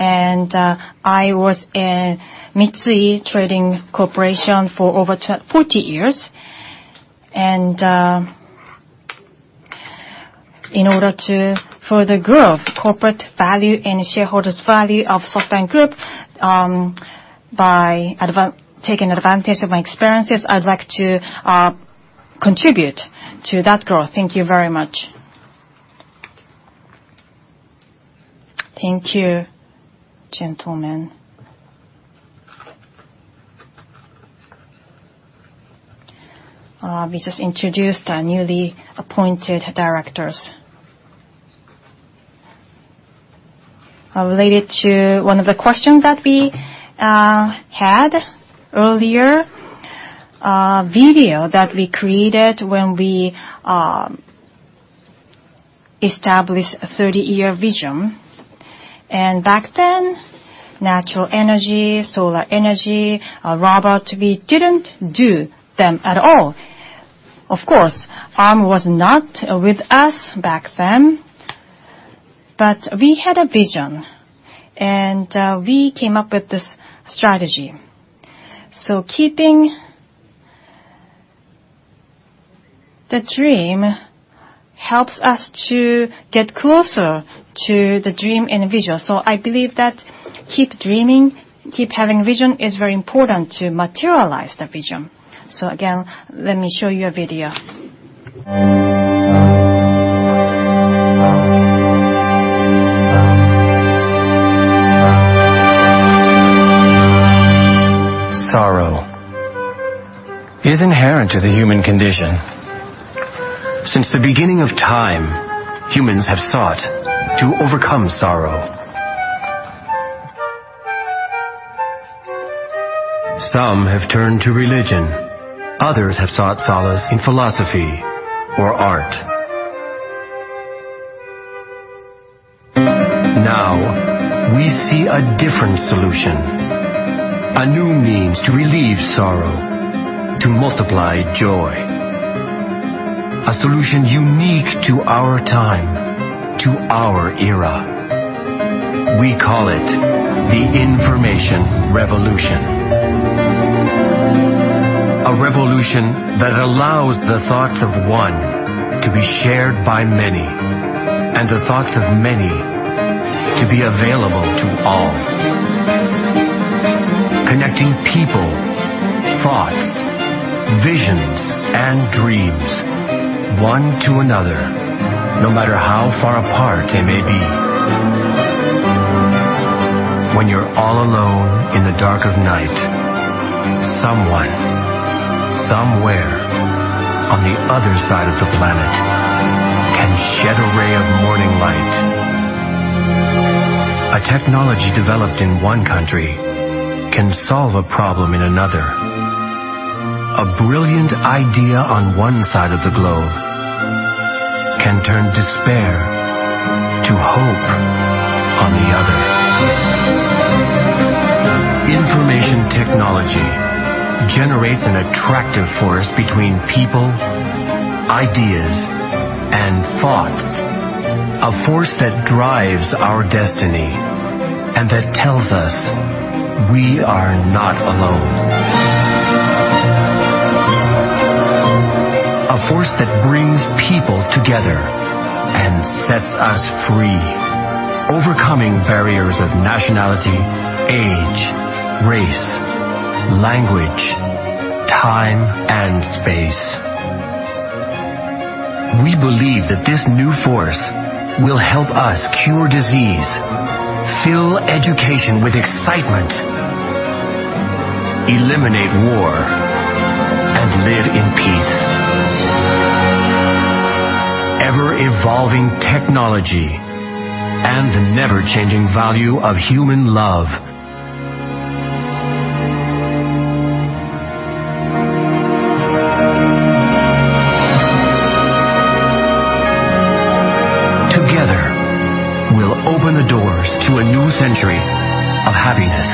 I was in Mitsui Trading Corporation for over 40 years, in order to further grow corporate value and shareholders value of SoftBank Group, by taking advantage of my experiences, I'd like to contribute to that growth. Thank you very much. Thank you, gentlemen. We just introduced our newly appointed directors. Related to one of the questions that we had earlier, a video that we created when we established a 30-year vision. Back then, natural energy, solar energy, robot, we didn't do them at all. Of course, Arm was not with us back then, but we had a vision, we came up with this strategy. The dream helps us to get closer to the dream and vision. I believe that keep dreaming, keep having vision is very important to materialize the vision. Again, let me show you a video. Sorrow is inherent to the human condition. Since the beginning of time, humans have sought to overcome sorrow. Some have turned to religion. Others have sought solace in philosophy or art. Now, we see a different solution, a new means to relieve sorrow, to multiply joy, a solution unique to our time, to our era. We call it the information revolution. A revolution that allows the thoughts of one to be shared by many, and the thoughts of many to be available to all. Connecting people, thoughts, visions, and dreams, one to another, no matter how far apart they may be. When you're all alone in the dark of night, someone, somewhere on the other side of the planet can shed a ray of morning light. A technology developed in one country can solve a problem in another. A brilliant idea on one side of the globe can turn despair to hope on the other. Information technology generates an attractive force between people, ideas, and thoughts, a force that drives our destiny and that tells us we are not alone. A force that brings people together and sets us free, overcoming barriers of nationality, age, race, language, time, and space. We believe that this new force will help us cure disease, fill education with excitement, eliminate war, and live in peace. Ever-evolving technology and the never-changing value of human love. Together, we'll open the doors to a new century of happiness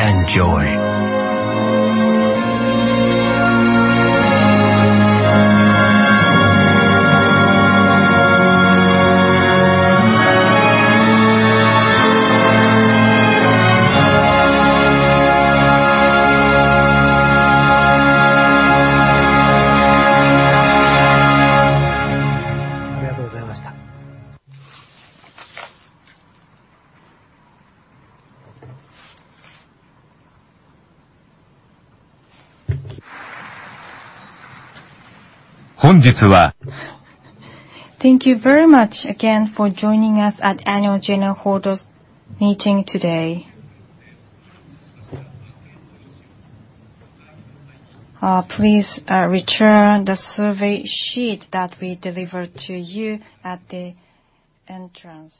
and joy. Thank you very much again for joining us at annual general shareholders meeting today. Please return the survey sheet that we delivered to you at the entrance.